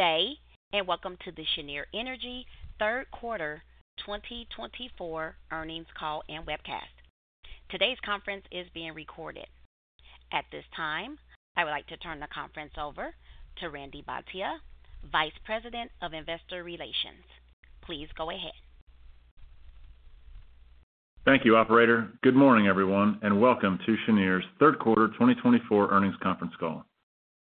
Good day and welcome to the Cheniere Energy third quarter 2024 earnings call and webcast. Today's conference is being recorded. At this time, I would like to turn the conference over to Randy Bhatia, Vice President of Investor Relations. Please go ahead. Thank you, Operator. Good morning, everyone, and welcome to Cheniere's third quarter 2024 earnings conference call.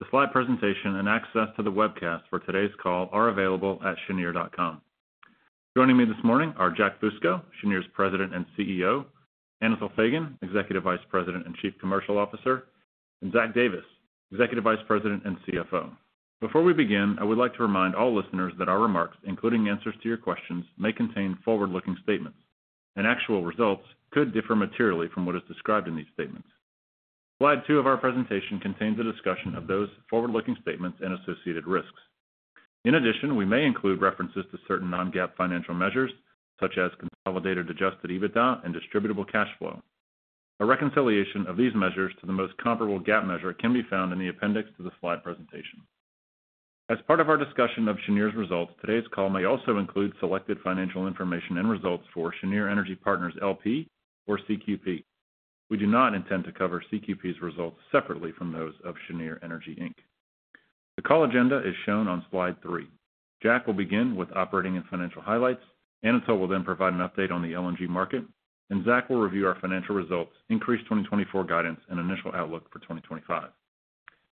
The slide presentation and access to the webcast for today's call are available at cheniere.com. Joining me this morning are Jack Fusco, Cheniere's President and CEO, Anatol Feygin, Executive Vice President and Chief Commercial Officer, and Zach Davis, Executive Vice President and CFO. Before we begin, I would like to remind all listeners that our remarks, including answers to your questions, may contain forward-looking statements, and actual results could differ materially from what is described in these statements. Slide two of our presentation contains a discussion of those forward-looking statements and associated risks. In addition, we may include references to certain non-GAAP financial measures, such as consolidated adjusted EBITDA and distributable cash flow. A reconciliation of these measures to the most comparable GAAP measure can be found in the appendix to the slide presentation. As part of our discussion of Cheniere's results, today's call may also include selected financial information and results for Cheniere Energy Partners LP or CQP. We do not intend to cover CQP's results separately from those of Cheniere Energy Inc. The call agenda is shown on slide three. Jack will begin with operating and financial highlights. Anatol will then provide an update on the LNG market, and Zach will review our financial results, increased 2024 guidance, and initial outlook for 2025.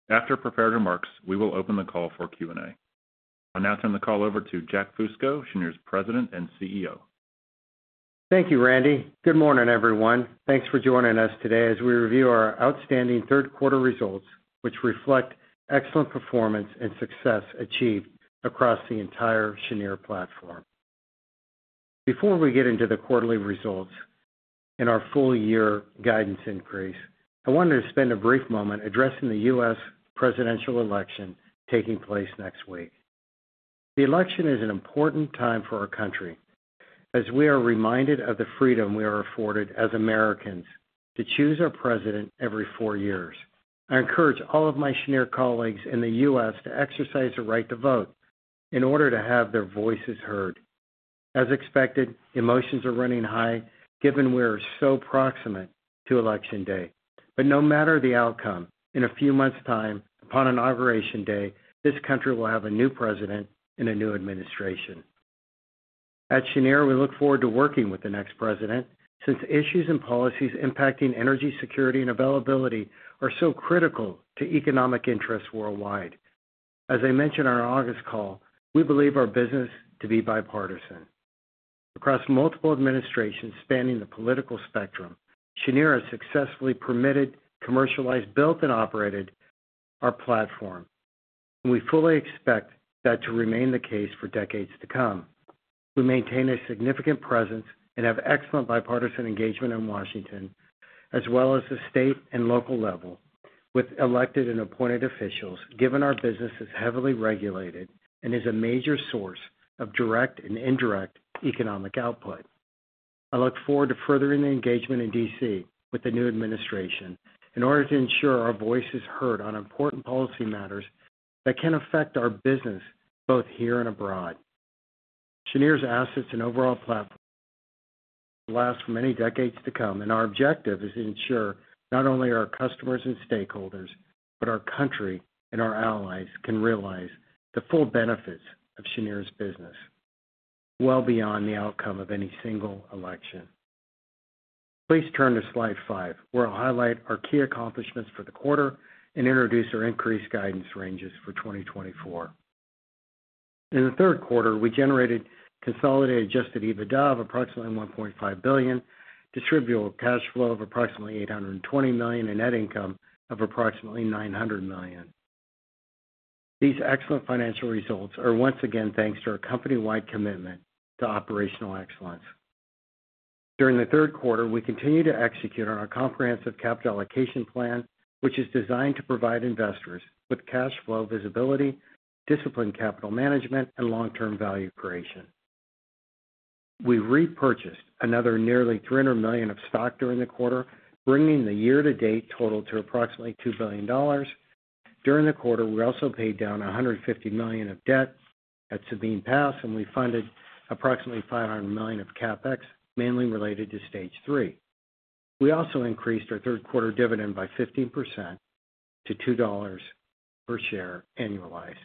After prepared remarks, we will open the call for Q&A. I'll now turn the call over to Jack Fusco, Cheniere's President and CEO. Thank you, Randy. Good morning, everyone. Thanks for joining us today as we review our outstanding third quarter results, which reflect excellent performance and success achieved across the entire Cheniere platform. Before we get into the quarterly results and our full-year guidance increase, I wanted to spend a brief moment addressing the U.S. presidential election taking place next week. The election is an important time for our country as we are reminded of the freedom we are afforded as Americans to choose our president every four years. I encourage all of my Cheniere colleagues in the U.S. to exercise the right to vote in order to have their voices heard. As expected, emotions are running high given we are so proximate to Election Day. But no matter the outcome, in a few months' time, upon Inauguration Day, this country will have a new president and a new administration. At Cheniere, we look forward to working with the next president since issues and policies impacting energy security and availability are so critical to economic interests worldwide. As I mentioned on our August call, we believe our business to be bipartisan. Across multiple administrations spanning the political spectrum, Cheniere has successfully permitted, commercialized, built, and operated our platform, and we fully expect that to remain the case for decades to come. We maintain a significant presence and have excellent bipartisan engagement in Washington as well as the state and local level with elected and appointed officials, given our business is heavily regulated and is a major source of direct and indirect economic output. I look forward to furthering the engagement in D.C. with the new administration in order to ensure our voice is heard on important policy matters that can affect our business both here and abroad. Cheniere's assets and overall platform will last for many decades to come, and our objective is to ensure not only our customers and stakeholders, but our country and our allies can realize the full benefits of Cheniere's business well beyond the outcome of any single election. Please turn to slide five, where I'll highlight our key accomplishments for the quarter and introduce our increased guidance ranges for 2024. In the third quarter, we generated consolidated adjusted EBITDA of approximately $1.5 billion, Distributable Cash Flow of approximately $820 million, and net income of approximately $900 million. These excellent financial results are once again thanks to our company-wide commitment to operational excellence. During the third quarter, we continue to execute on our comprehensive capital allocation plan, which is designed to provide investors with cash flow visibility, disciplined capital management, and long-term value creation. We repurchased another nearly $300 million of stock during the quarter, bringing the year-to-date total to approximately $2 billion. During the quarter, we also paid down $150 million of debt at Sabine Pass, and we funded approximately $500 million of CapEx, mainly related to Stage 3. We also increased our third quarter dividend by 15% to $2 per share annualized.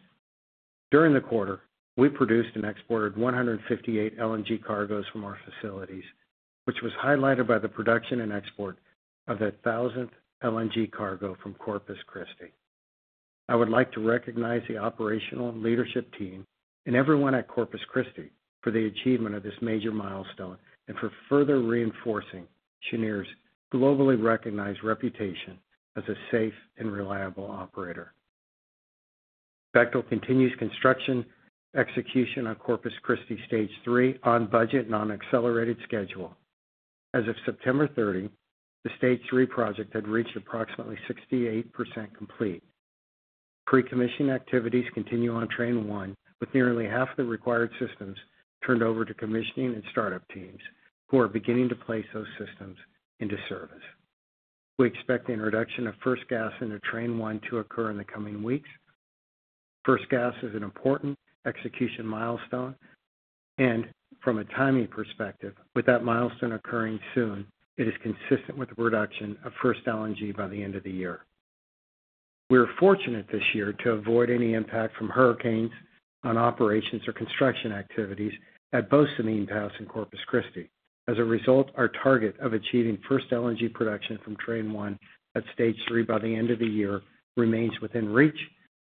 During the quarter, we produced and exported 158 LNG cargoes from our facilities, which was highlighted by the production and export of the 1,000th LNG cargo from Corpus Christi. I would like to recognize the operational leadership team and everyone at Corpus Christi for the achievement of this major milestone and for further reinforcing Cheniere's globally recognized reputation as a safe and reliable operator. Bechtel continues construction execution on Corpus Christi Stage 3 on budget, non-accelerated schedule. As of September 30, the Stage 3 project had reached approximately 68% complete. Pre-commissioning activities continue on Train 1, with nearly half of the required systems turned over to commissioning and startup teams who are beginning to place those systems into service. We expect the introduction of first gas into Train 1 to occur in the coming weeks. First gas is an important execution milestone, and from a timing perspective, with that milestone occurring soon, it is consistent with the production of first LNG by the end of the year. We are fortunate this year to avoid any impact from hurricanes on operations or construction activities at both Sabine Pass and Corpus Christi. As a result, our target of achieving first LNG production from Train 1 at Stage 3 by the end of the year remains within reach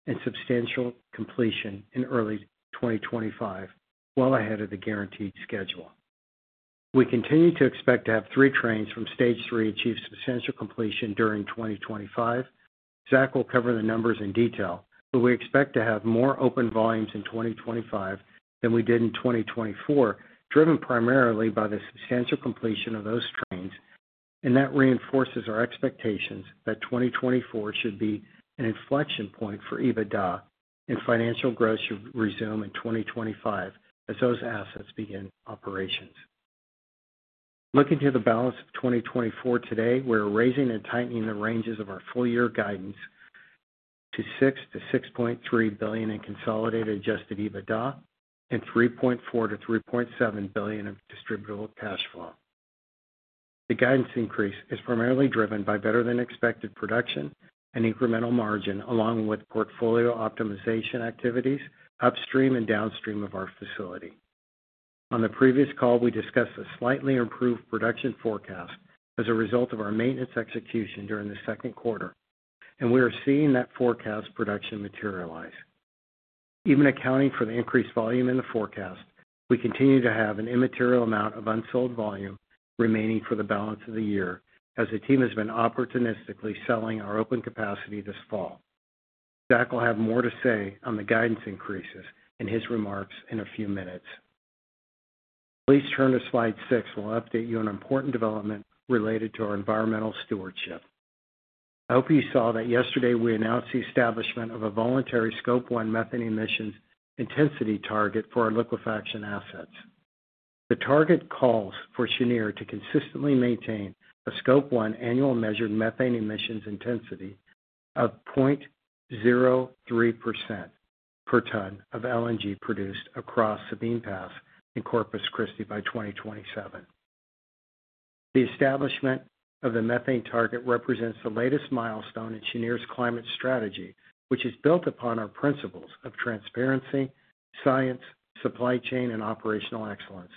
and substantial completion in early 2025, well ahead of the guaranteed schedule. We continue to expect to have three trains from Stage 3 achieve Substantial Completion during 2025. Zach will cover the numbers in detail, but we expect to have more open volumes in 2025 than we did in 2024, driven primarily by the Substantial Completion of those trains, and that reinforces our expectations that 2024 should be an inflection point for EBITDA and financial growth should resume in 2025 as those assets begin operations. Looking to the balance of 2024 today, we are raising and tightening the ranges of our full-year guidance to $6-$6.3 billion in consolidated adjusted EBITDA and $3.4-$3.7 billion of distributable cash flow. The guidance increase is primarily driven by better-than-expected production and incremental margin, along with portfolio optimization activities upstream and downstream of our facility. On the previous call, we discussed a slightly improved production forecast as a result of our maintenance execution during the second quarter, and we are seeing that forecast production materialize. Even accounting for the increased volume in the forecast, we continue to have an immaterial amount of unsold volume remaining for the balance of the year as the team has been opportunistically selling our open capacity this fall. Zach will have more to say on the guidance increases in his remarks in a few minutes. Please turn to slide six where I'll update you on important development related to our environmental stewardship. I hope you saw that yesterday we announced the establishment of a voluntary Scope 1 methane emissions intensity target for our liquefaction assets. The target calls for Cheniere to consistently maintain a Scope 1 annual measured methane emissions intensity of 0.03% per ton of LNG produced across Sabine Pass and Corpus Christi by 2027. The establishment of the methane target represents the latest milestone in Cheniere's climate strategy, which is built upon our principles of transparency, science, supply chain, and operational excellence.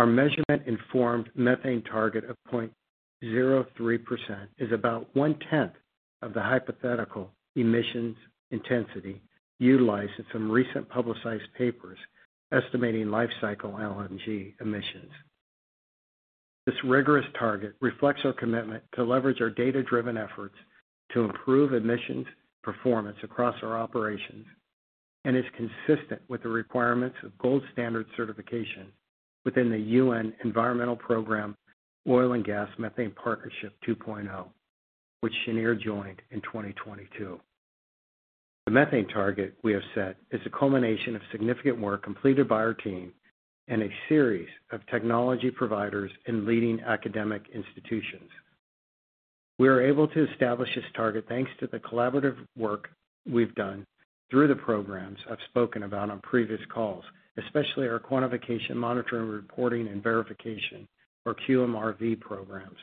Our measurement-informed methane target of 0.03% is about one-tenth of the hypothetical emissions intensity utilized in some recent publicized papers estimating lifecycle LNG emissions. This rigorous target reflects our commitment to leverage our data-driven efforts to improve emissions performance across our operations and is consistent with the requirements of gold standard certification within the United Nations Environment Programme Oil and Gas Methane Partnership 2.0, which Cheniere joined in 2022. The methane target we have set is a culmination of significant work completed by our team and a series of technology providers and leading academic institutions. We are able to establish this target thanks to the collaborative work we've done through the programs I've spoken about on previous calls, especially our Quantification, Monitoring, Reporting, and Verification, or QMRV programs.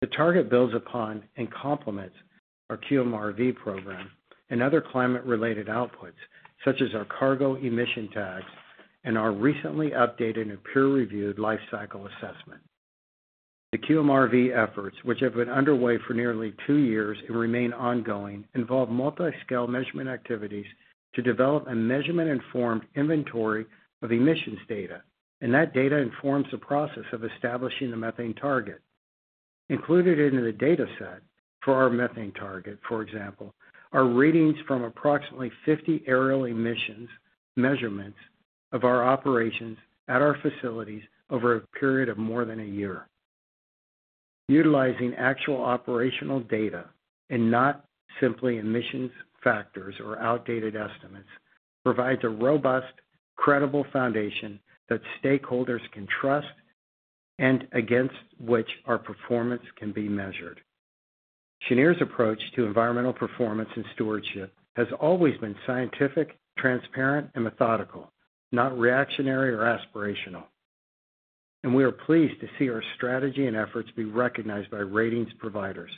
The target builds upon and complements our QMRV program and other climate-related outputs such as our cargo emission tags and our recently updated and peer-reviewed lifecycle assessment. The QMRV efforts, which have been underway for nearly two years and remain ongoing, involve multiscale measurement activities to develop a measurement-informed inventory of emissions data, and that data informs the process of establishing the methane target. Included in the data set for our methane target, for example, are readings from approximately 50 aerial emissions measurements of our operations at our facilities over a period of more than a year. Utilizing actual operational data and not simply emissions factors or outdated estimates provides a robust, credible foundation that stakeholders can trust and against which our performance can be measured. Cheniere's approach to environmental performance and stewardship has always been scientific, transparent, and methodical, not reactionary or aspirational, and we are pleased to see our strategy and efforts be recognized by ratings providers.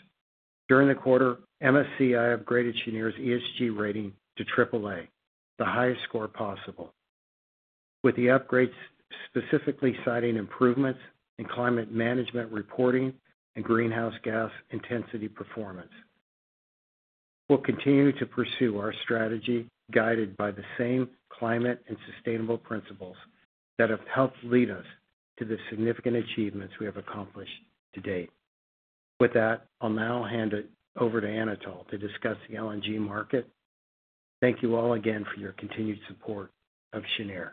During the quarter, MSCI upgraded Cheniere's ESG rating to AAA, the highest score possible, with the upgrades specifically citing improvements in climate management reporting and greenhouse gas intensity performance. We'll continue to pursue our strategy guided by the same climate and sustainable principles that have helped lead us to the significant achievements we have accomplished to date. With that, I'll now hand it over to Anatol to discuss the LNG market. Thank you all again for your continued support of Cheniere.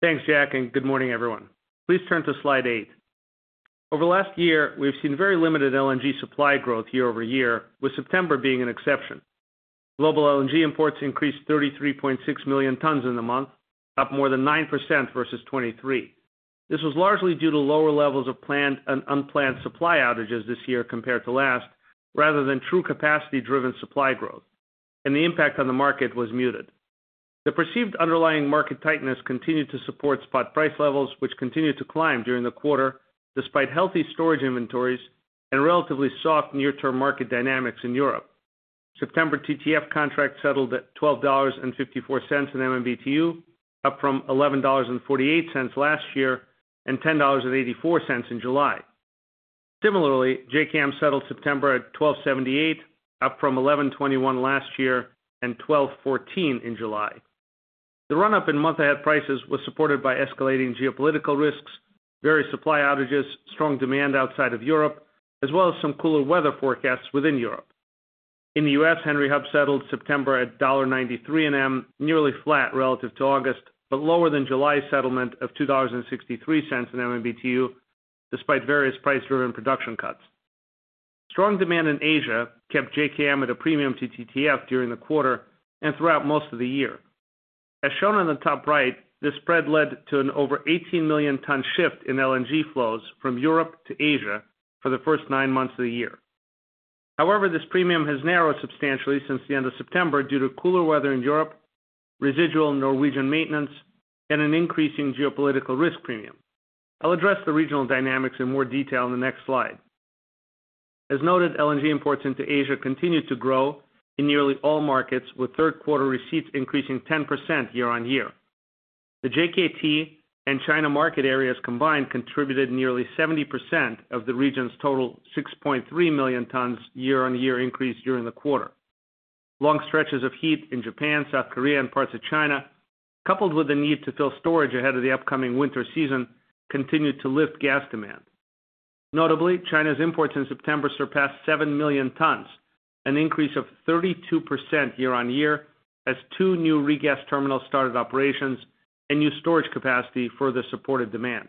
Thanks, Jack, and good morning, everyone. Please turn to slide eight. Over the last year, we've seen very limited LNG supply growth year over year, with September being an exception. Global LNG imports increased 33.6 million tons in the month, up more than 9% versus 2023. This was largely due to lower levels of planned and unplanned supply outages this year compared to last, rather than true capacity-driven supply growth, and the impact on the market was muted. The perceived underlying market tightness continued to support spot price levels, which continued to climb during the quarter despite healthy storage inventories and relatively soft near-term market dynamics in Europe. September TTF contract settled at $12.54 an MMBtu, up from $11.48 last year and $10.84 in July. Similarly, JKM settled September at $12.78, up from $11.21 last year and $12.14 in July. The run-up in month-ahead prices was supported by escalating geopolitical risks, various supply outages, strong demand outside of Europe, as well as some cooler weather forecasts within Europe. In the U.S., Henry Hub settled September at $1.93 an MMBtu, nearly flat relative to August, but lower than July's settlement of $2.63 an MMBtu despite various price-driven production cuts. Strong demand in Asia kept JKM at a premium to TTF during the quarter and throughout most of the year. As shown on the top right, this spread led to an over 18 million-ton shift in LNG flows from Europe to Asia for the first nine months of the year. However, this premium has narrowed substantially since the end of September due to cooler weather in Europe, residual Norwegian maintenance, and an increasing geopolitical risk premium. I'll address the regional dynamics in more detail in the next slide. As noted, LNG imports into Asia continued to grow in nearly all markets, with third-quarter receipts increasing 10% year-on-year. The JKT and China market areas combined contributed nearly 70% of the region's total 6.3 million tons year-on-year increase during the quarter. Long stretches of heat in Japan, South Korea, and parts of China, coupled with the need to fill storage ahead of the upcoming winter season, continued to lift gas demand. Notably, China's imports in September surpassed 7 million tons, an increase of 32% year-on-year as two new regas terminals started operations and new storage capacity further supported demand.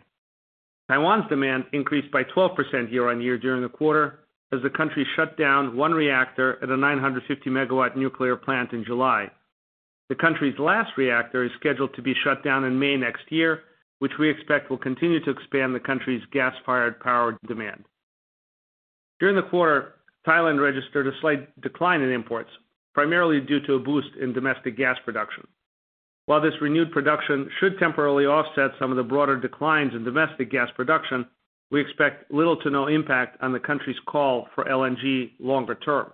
Taiwan's demand increased by 12% year-on-year during the quarter as the country shut down one reactor at a 950-megawatt nuclear plant in July. The country's last reactor is scheduled to be shut down in May next year, which we expect will continue to expand the country's gas-fired power demand. During the quarter, Thailand registered a slight decline in imports, primarily due to a boost in domestic gas production. While this renewed production should temporarily offset some of the broader declines in domestic gas production, we expect little to no impact on the country's call for LNG longer term.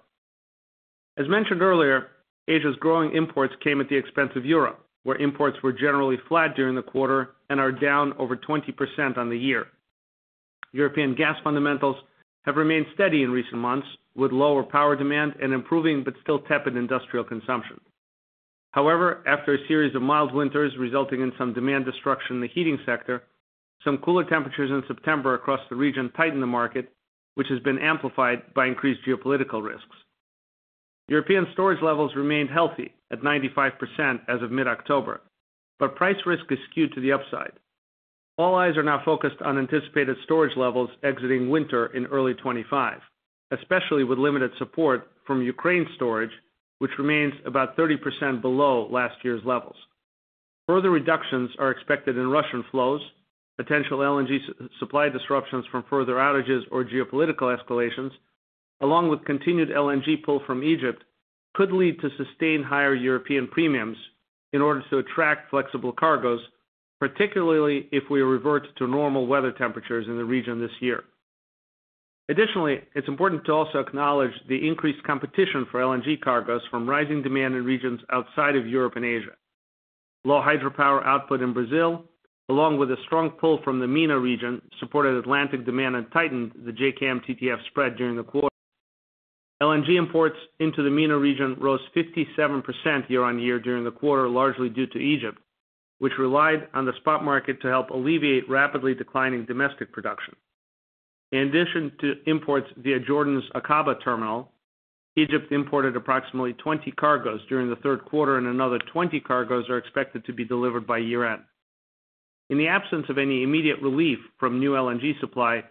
As mentioned earlier, Asia's growing imports came at the expense of Europe, where imports were generally flat during the quarter and are down over 20% on the year. European gas fundamentals have remained steady in recent months, with lower power demand and improving but still tepid industrial consumption. However, after a series of mild winters resulting in some demand destruction in the heating sector, some cooler temperatures in September across the region tightened the market, which has been amplified by increased geopolitical risks. European storage levels remained healthy at 95% as of mid-October, but price risk is skewed to the upside. All eyes are now focused on anticipated storage levels exiting winter in early 2025, especially with limited support from Ukraine storage, which remains about 30% below last year's levels. Further reductions are expected in Russian flows, potential LNG supply disruptions from further outages or geopolitical escalations, along with continued LNG pull from Egypt, could lead to sustained higher European premiums in order to attract flexible cargoes, particularly if we revert to normal weather temperatures in the region this year. Additionally, it's important to also acknowledge the increased competition for LNG cargoes from rising demand in regions outside of Europe and Asia. Low hydropower output in Brazil, along with a strong pull from the MENA region, supported Atlantic demand and tightened the JKM TTF spread during the quarter. LNG imports into the MENA region rose 57% year-on-year during the quarter, largely due to Egypt, which relied on the spot market to help alleviate rapidly declining domestic production. In addition to imports via Jordan's Aqaba terminal, Egypt imported approximately 20 cargoes during the third quarter, and another 20 cargoes are expected to be delivered by year-end. In the absence of any immediate relief from new LNG supply,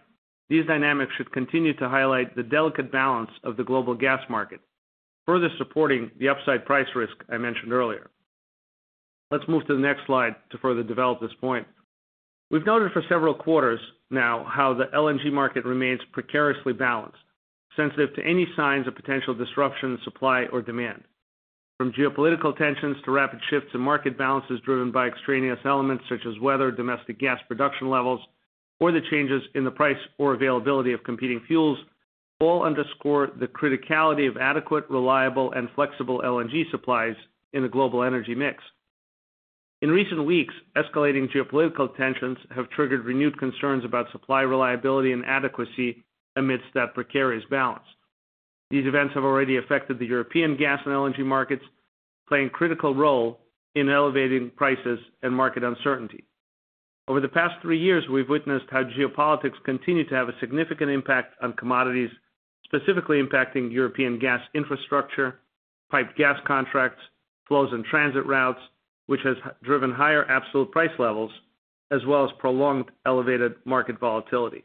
these dynamics should continue to highlight the delicate balance of the global gas market, further supporting the upside price risk I mentioned earlier. Let's move to the next slide to further develop this point. We've noted for several quarters now how the LNG market remains precariously balanced, sensitive to any signs of potential disruption in supply or demand. From geopolitical tensions to rapid shifts in market balances driven by extraneous elements such as weather, domestic gas production levels, or the changes in the price or availability of competing fuels, all underscore the criticality of adequate, reliable, and flexible LNG supplies in the global energy mix. In recent weeks, escalating geopolitical tensions have triggered renewed concerns about supply reliability and adequacy amidst that precarious balance. These events have already affected the European gas and LNG markets, playing a critical role in elevating prices and market uncertainty. Over the past three years, we've witnessed how geopolitics continue to have a significant impact on commodities, specifically impacting European gas infrastructure, piped gas contracts, flows and transit routes, which has driven higher absolute price levels, as well as prolonged elevated market volatility.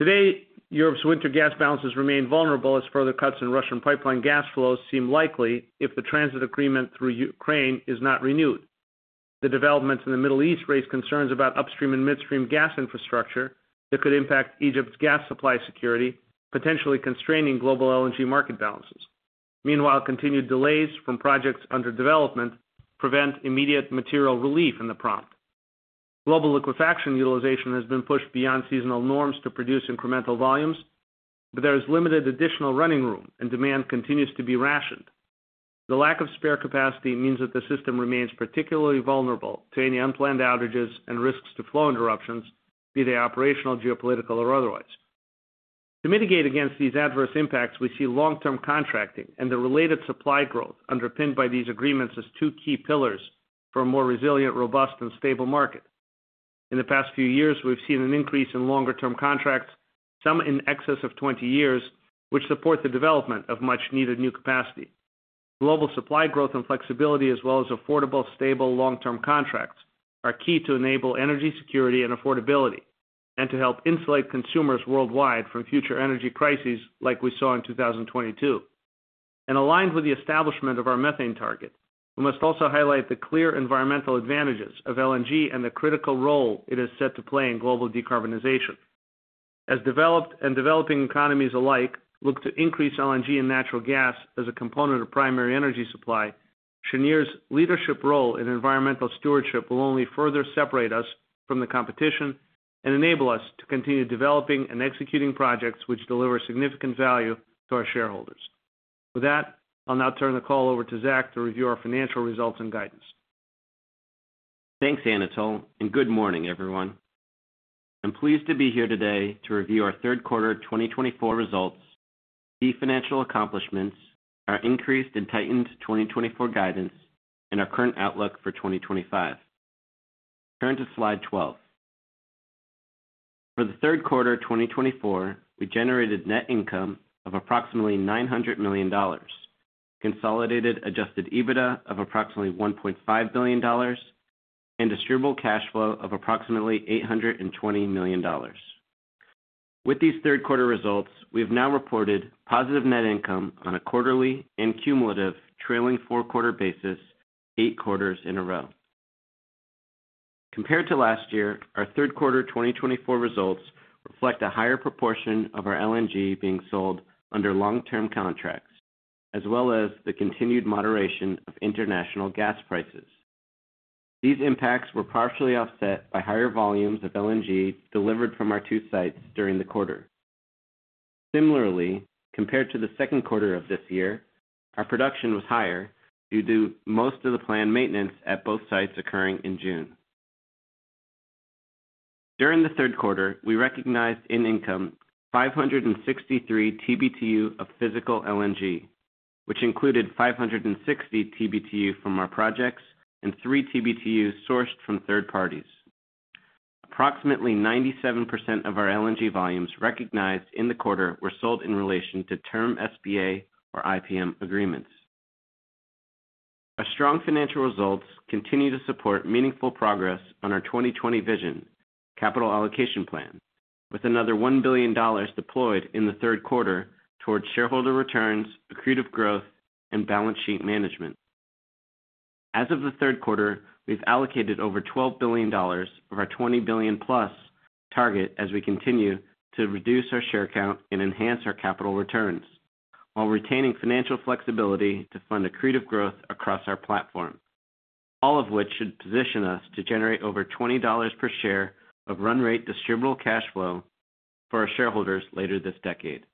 Today, Europe's winter gas balances remain vulnerable as further cuts in Russian pipeline gas flows seem likely if the transit agreement through Ukraine is not renewed. The developments in the Middle East raise concerns about upstream and midstream gas infrastructure that could impact Egypt's gas supply security, potentially constraining global LNG market balances. Meanwhile, continued delays from projects under development prevent immediate material relief in the prompt. Global liquefaction utilization has been pushed beyond seasonal norms to produce incremental volumes, but there is limited additional running room and demand continues to be rationed. The lack of spare capacity means that the system remains particularly vulnerable to any unplanned outages and risks to flow interruptions, be they operational, geopolitical, or otherwise. To mitigate against these adverse impacts, we see long-term contracting and the related supply growth underpinned by these agreements as two key pillars for a more resilient, robust, and stable market. In the past few years, we've seen an increase in longer-term contracts, some in excess of 20 years, which support the development of much-needed new capacity. Global supply growth and flexibility, as well as affordable, stable, long-term contracts, are key to enable energy security and affordability and to help insulate consumers worldwide from future energy crises like we saw in 2022. And aligned with the establishment of our methane target, we must also highlight the clear environmental advantages of LNG and the critical role it has set to play in global decarbonization. As developed and developing economies alike look to increase LNG and natural gas as a component of primary energy supply, Cheniere's leadership role in environmental stewardship will only further separate us from the competition and enable us to continue developing and executing projects which deliver significant value to our shareholders. With that, I'll now turn the call over to Zach to review our financial results and guidance. Thanks, Anatol, and good morning, everyone. I'm pleased to be here today to review our third quarter 2024 results, key financial accomplishments, our increased and tightened 2024 guidance, and our current outlook for 2025. Turn to slide 12. For the third quarter 2024, we generated net income of approximately $900 million, consolidated adjusted EBITDA of approximately $1.5 billion, and Distributable Cash Flow of approximately $820 million. With these third-quarter results, we have now reported positive net income on a quarterly and cumulative trailing four-quarter basis eight quarters in a row. Compared to last year, our third quarter 2024 results reflect a higher proportion of our LNG being sold under long-term contracts, as well as the continued moderation of international gas prices. These impacts were partially offset by higher volumes of LNG delivered from our two sites during the quarter. Similarly, compared to the second quarter of this year, our production was higher due to most of the planned maintenance at both sites occurring in June. During the third quarter, we recognized in income 563 TBtu of physical LNG, which included 560 TBtu from our projects and 3 TBtu sourced from third parties. Approximately 97% of our LNG volumes recognized in the quarter were sold in relation to term SPA or IPM agreements. Our strong financial results continue to support meaningful progress on our 20/20 Vision Capital Allocation Plan, with another $1 billion deployed in the third quarter toward shareholder returns, accretive growth, and balance sheet management. As of the third quarter, we've allocated over $12 billion of our $20 billion+ target as we continue to reduce our share count and enhance our capital returns, while retaining financial flexibility to fund accretive growth across our platform, all of which should position us to generate over $20 per share of run-rate distributable cash flow for our shareholders later this decade.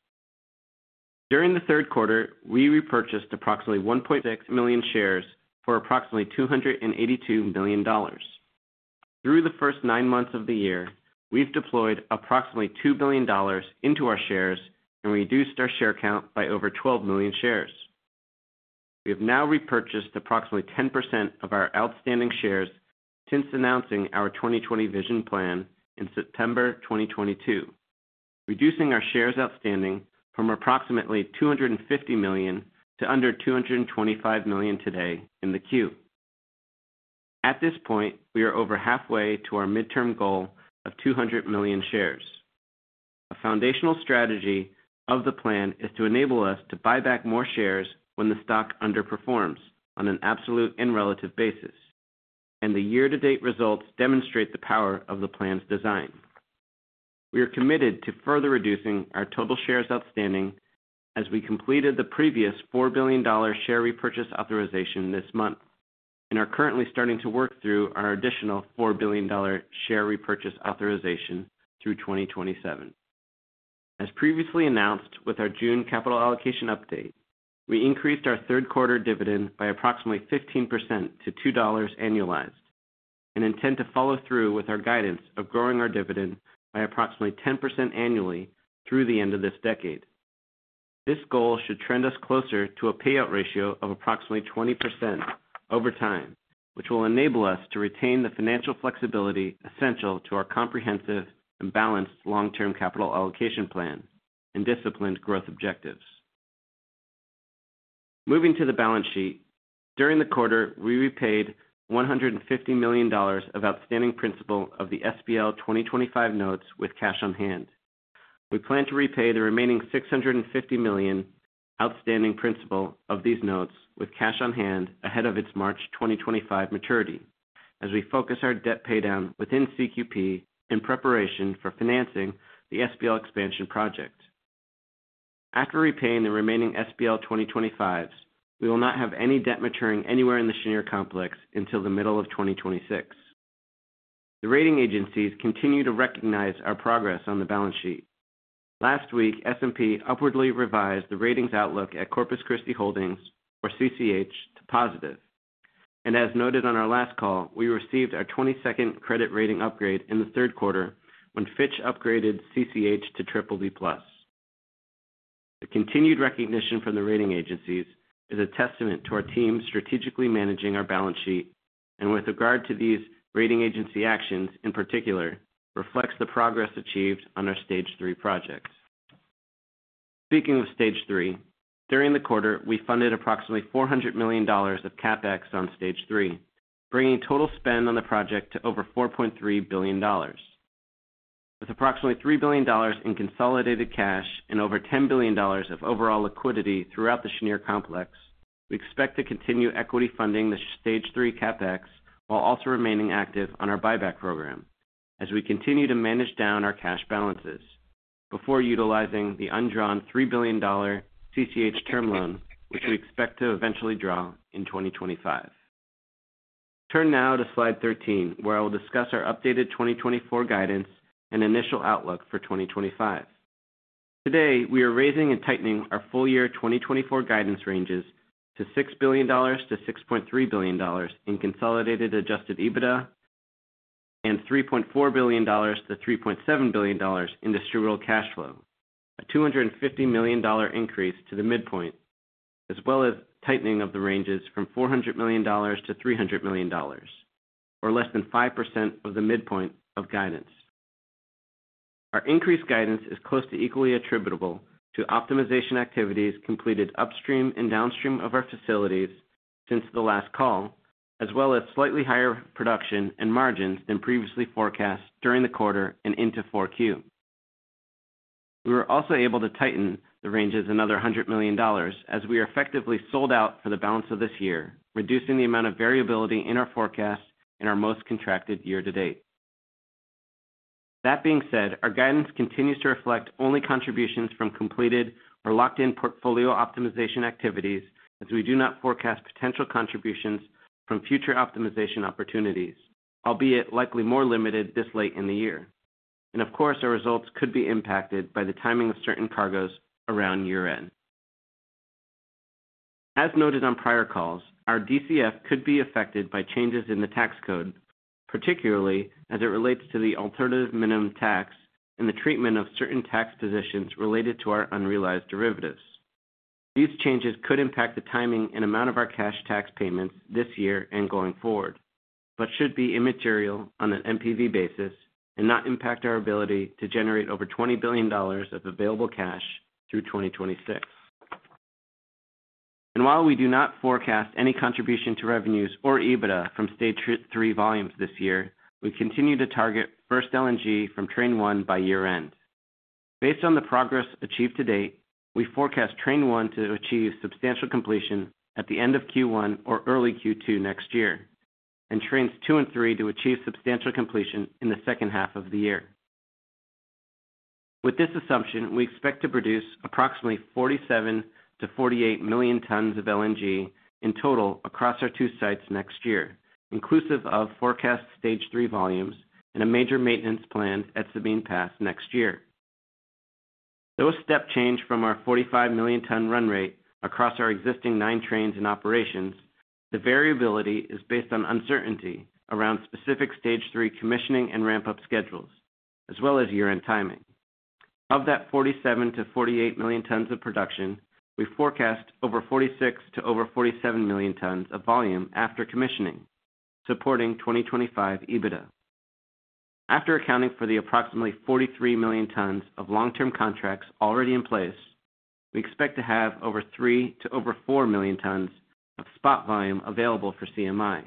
During the third quarter, we repurchased approximately 1.6 million shares for approximately $282 million. Through the first nine months of the year, we've deployed approximately $2 billion into our shares and reduced our share count by over 12 million shares. We have now repurchased approximately 10% of our outstanding shares since announcing our 20/20 Vision Plan in September 2022, reducing our shares outstanding from approximately 250 million to under 225 million today in the Q. At this point, we are over halfway to our midterm goal of 200 million shares. A foundational strategy of the plan is to enable us to buy back more shares when the stock underperforms on an absolute and relative basis, and the year-to-date results demonstrate the power of the plan's design. We are committed to further reducing our total shares outstanding as we completed the previous $4 billion share repurchase authorization this month and are currently starting to work through our additional $4 billion share repurchase authorization through 2027. As previously announced with our June capital allocation update, we increased our third-quarter dividend by approximately 15% to $2 annualized and intend to follow through with our guidance of growing our dividend by approximately 10% annually through the end of this decade. This goal should trend us closer to a payout ratio of approximately 20% over time, which will enable us to retain the financial flexibility essential to our comprehensive and balanced long-term capital allocation plan and disciplined growth objectives. Moving to the balance sheet, during the quarter, we repaid $150 million of outstanding principal of the SPL 2025 notes with cash on hand. We plan to repay the remaining $650 million outstanding principal of these notes with cash on hand ahead of its March 2025 maturity as we focus our debt paydown within CQP in preparation for financing the SPL Expansion Project. After repaying the remaining SPL 2025s, we will not have any debt maturing anywhere in the Cheniere complex until the middle of 2026. The rating agencies continue to recognize our progress on the balance sheet. Last week, S&P upwardly revised the ratings outlook at Corpus Christi Holdings, or CCH, to positive. And as noted on our last call, we received our 22nd credit rating upgrade in the third quarter when Fitch upgraded CCH to BBB+. The continued recognition from the rating agencies is a testament to our team strategically managing our balance sheet, and with regard to these rating agency actions in particular, reflects the progress achieved on our Stage 3 projects. Speaking of Stage 3, during the quarter, we funded approximately $400 million of CapEx on Stage 3, bringing total spend on the project to over $4.3 billion. With approximately $3 billion in consolidated cash and over $10 billion of overall liquidity throughout the Cheniere complex, we expect to continue equity funding the Stage 3 CapEx while also remaining active on our buyback program as we continue to manage down our cash balances before utilizing the undrawn $3 billion CCH term loan, which we expect to eventually draw in 2025. Turn now to slide 13, where I will discuss our updated 2024 guidance and initial outlook for 2025. Today, we are raising and tightening our full year 2024 guidance ranges to $6 billion-$6.3 billion in consolidated adjusted EBITDA and $3.4 billion-$3.7 billion in distributable cash flow, a $250 million increase to the midpoint, as well as tightening of the ranges from $400 million-$300 million, or less than 5% of the midpoint of guidance. Our increased guidance is close to equally attributable to optimization activities completed upstream and downstream of our facilities since the last call, as well as slightly higher production and margins than previously forecast during the quarter and into Q4. We were also able to tighten the ranges another $100 million as we effectively sold out for the balance of this year, reducing the amount of variability in our forecast in our most contracted year to date. That being said, our guidance continues to reflect only contributions from completed or locked-in portfolio optimization activities as we do not forecast potential contributions from future optimization opportunities, albeit likely more limited this late in the year, and of course, our results could be impacted by the timing of certain cargoes around year-end. As noted on prior calls, our DCF could be affected by changes in the tax code, particularly as it relates to the alternative minimum tax and the treatment of certain tax positions related to our unrealized derivatives. These changes could impact the timing and amount of our cash tax payments this year and going forward, but should be immaterial on an NPV basis and not impact our ability to generate over $20 billion of available cash through 2026. And while we do not forecast any contribution to revenues or EBITDA from Stage 3 volumes this year, we continue to target first LNG from Train 1 by year-end. Based on the progress achieved to date, we forecast Train 1 to achieve substantial completion at the end of Q1 or early Q2 next year, and Trains 2 and 3 to achieve substantial completion in the second half of the year. With this assumption, we expect to produce approximately 47-48 million tons of LNG in total across our two sites next year, inclusive of forecast Stage 3 volumes and a major maintenance planned at Sabine Pass next year. Though a step change from our 45 million-ton run rate across our existing nine trains in operations, the variability is based on uncertainty around specific Stage 3 commissioning and ramp-up schedules, as well as year-end timing. Of that 47-48 million tons of production, we forecast over 46-over 47 million tons of volume after commissioning, supporting 2025 EBITDA. After accounting for the approximately 43 million tons of long-term contracts already in place, we expect to have over 3-over 4 million tons of spot volume available for CMI.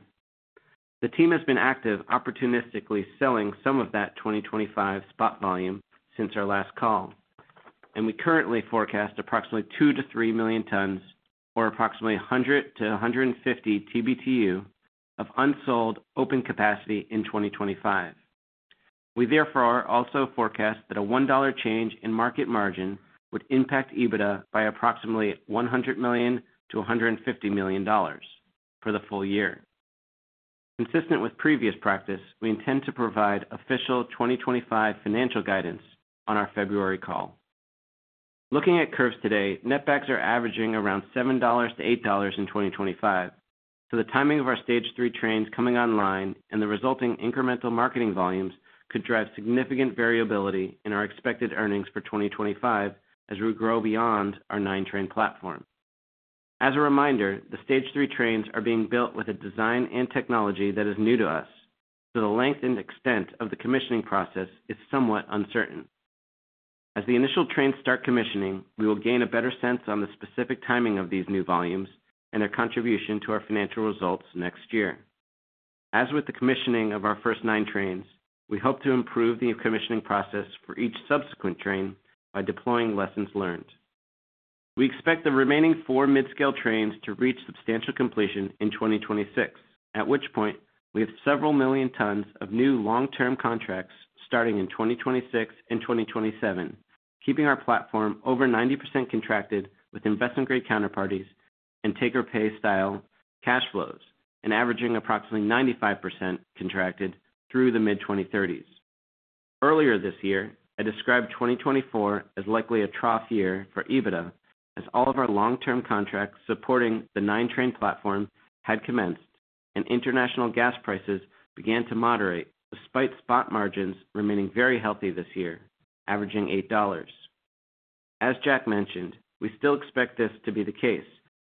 The team has been active opportunistically selling some of that 2025 spot volume since our last call, and we currently forecast approximately 2-3 million tons or approximately 100-150 TBtu of unsold open capacity in 2025. We therefore also forecast that a $1 change in market margin would impact EBITDA by approximately $100 million-$150 million for the full year. Consistent with previous practice, we intend to provide official 2025 financial guidance on our February call. Looking at curves today, netbacks are averaging around $7-$8 in 2025. So the timing of our Stage 3 trains coming online and the resulting incremental marketing volumes could drive significant variability in our expected earnings for 2025 as we grow beyond our nine-train platform. As a reminder, the Stage 3 trains are being built with a design and technology that is new to us, so the length and extent of the commissioning process is somewhat uncertain. As the initial trains start commissioning, we will gain a better sense on the specific timing of these new volumes and their contribution to our financial results next year. As with the commissioning of our first nine trains, we hope to improve the commissioning process for each subsequent train by deploying lessons learned. We expect the remaining four mid-scale trains to reach substantial completion in 2026, at which point we have several million tons of new long-term contracts starting in 2026 and 2027, keeping our platform over 90% contracted with investment-grade counterparties and take-or-pay style cash flows and averaging approximately 95% contracted through the mid-2030s. Earlier this year, I described 2024 as likely a trough year for EBITDA as all of our long-term contracts supporting the nine-train platform had commenced and international gas prices began to moderate despite spot margins remaining very healthy this year, averaging $8. As Jack mentioned, we still expect this to be the case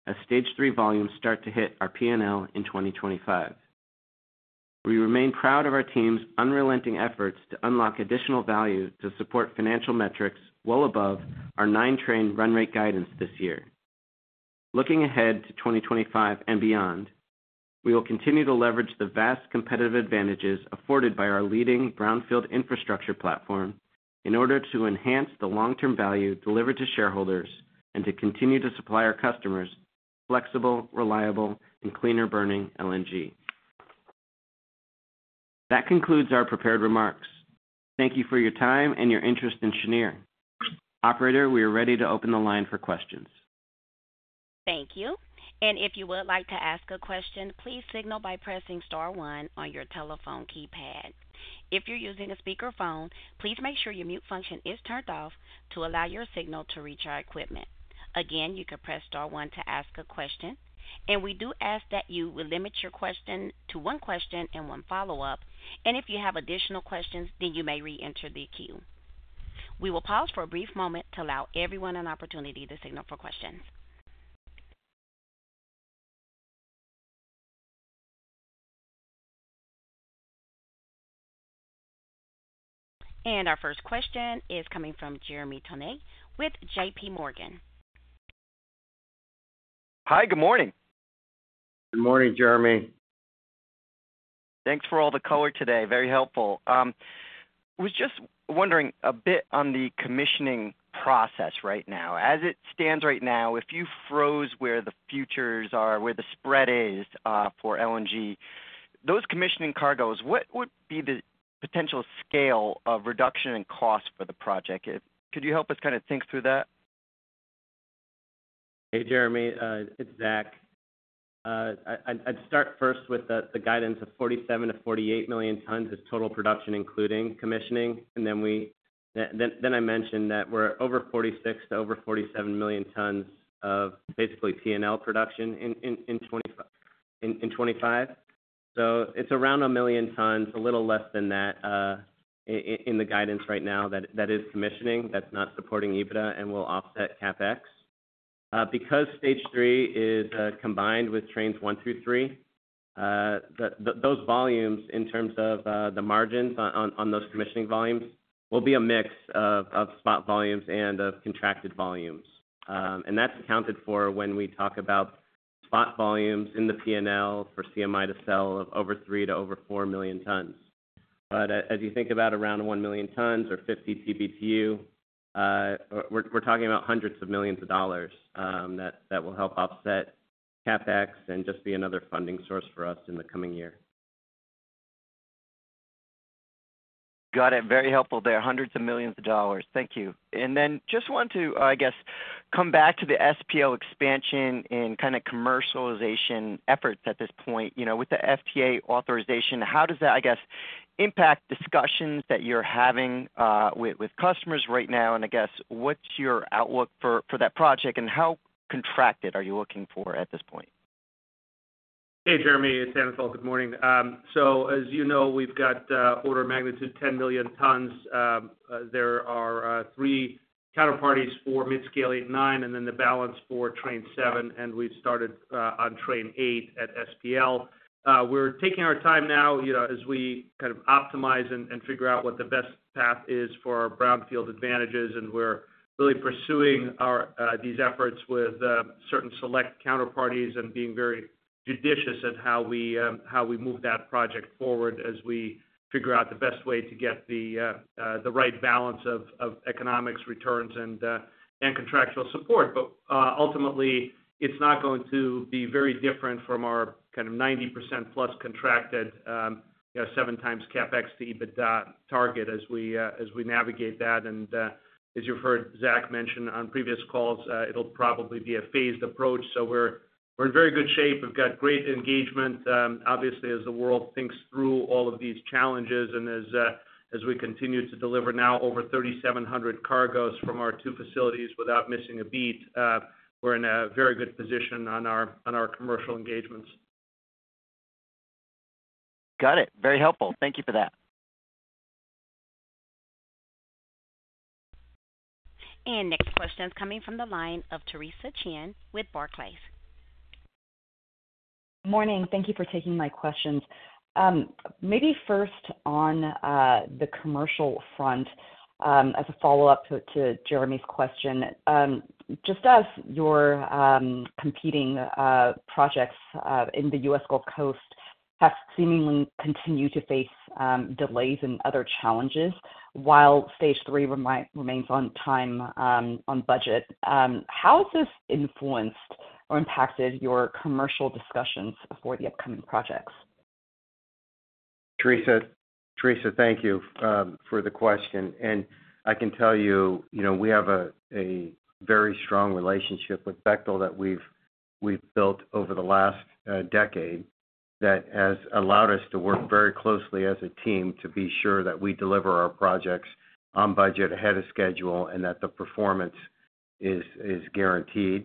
as Stage 3 volumes start to hit our P&L in 2025. We remain proud of our team's unrelenting efforts to unlock additional value to support financial metrics well above our nine-train run-rate guidance this year. Looking ahead to 2025 and beyond, we will continue to leverage the vast competitive advantages afforded by our leading brownfield infrastructure platform in order to enhance the long-term value delivered to shareholders and to continue to supply our customers with flexible, reliable, and cleaner-burning LNG. That concludes our prepared remarks. Thank you for your time and your interest in Cheniere. Operator, we are ready to open the line for questions. Thank you, and if you would like to ask a question, please signal by pressing star one on your telephone keypad. If you're using a speakerphone, please make sure your mute function is turned off to allow your signal to reach our equipment. Again, you can press star one to ask a question, and we do ask that you limit your question to one question and one follow-up, and if you have additional questions, then you may re-enter the queue. We will pause for a brief moment to allow everyone an opportunity to signal for questions, and our first question is coming from Jeremy Tonet with J.P. Morgan. Hi, good morning. Good morning, Jeremy. Thanks for all the color today. Very helpful. I was just wondering a bit on the commissioning process right now. As it stands right now, if you froze where the futures are, where the spread is for LNG, those commissioning cargoes, what would be the potential scale of reduction in cost for the project? Could you help us kind of think through that? Hey, Jeremy. It's Zach. I'd start first with the guidance of 47-48 million tons as total production, including commissioning. And then I mentioned that we're over 46-over 47 million tons of basically P&L production in 2025. So it's around a million tons, a little less than that in the guidance right now that is commissioning that's not supporting EBITDA and will offset CapEx. Because Stage 3 is combined with Trains 1 through 3, those volumes in terms of the margins on those commissioning volumes will be a mix of spot volumes and of contracted volumes. And that's accounted for when we talk about spot volumes in the P&L for CMI to sell of over three to over four million tons. But as you think about around one million tons or 50 TBtu, we're talking about hundreds of millions of dollars that will help offset CapEx and just be another funding source for us in the coming year. Got it. Very helpful there. Hundreds of millions of dollars. Thank you. And then just wanted to, I guess, come back to the SPL expansion and kind of commercialization efforts at this point. With the FTA authorization, how does that, I guess, impact discussions that you're having with customers right now? And I guess, what's your outlook for that project and how contracted are you looking for at this point? Hey, Jeremy. It's Anatol. Good morning. So as you know, we've got order of magnitude 10 million tons. There are three counterparties for Midscale 8, 9 and then the balance for Train 7. And we've started on Train 8 at SPL. We're taking our time now as we kind of optimize and figure out what the best path is for our brownfield advantages. And we're really pursuing these efforts with certain select counterparties and being very judicious at how we move that project forward as we figure out the best way to get the right balance of economics, returns, and contractual support. But ultimately, it's not going to be very different from our kind of 90%+ contracted, 7x CapEx to EBITDA target as we navigate that. And as you've heard Zach mention on previous calls, it'll probably be a phased approach. So we're in very good shape. We've got great engagement, obviously, as the world thinks through all of these challenges. And as we continue to deliver now over 3,700 cargoes from our two facilities without missing a beat, we're in a very good position on our commercial engagements. Got it. Very helpful. Thank you for that. And next question is coming from the line of Theresa Chen with Barclays. Morning. Thank you for taking my questions. Maybe first on the commercial front, as a follow-up to Jeremy's question, just as your competing projects in the U.S. Gulf Coast have seemingly continued to face delays and other challenges while Stage 3 remains on time on budget, how has this influenced or impacted your commercial discussions for the upcoming projects? Theresa, thank you for the question. I can tell you we have a very strong relationship with Bechtel that we've built over the last decade that has allowed us to work very closely as a team to be sure that we deliver our projects on budget, ahead of schedule, and that the performance is guaranteed.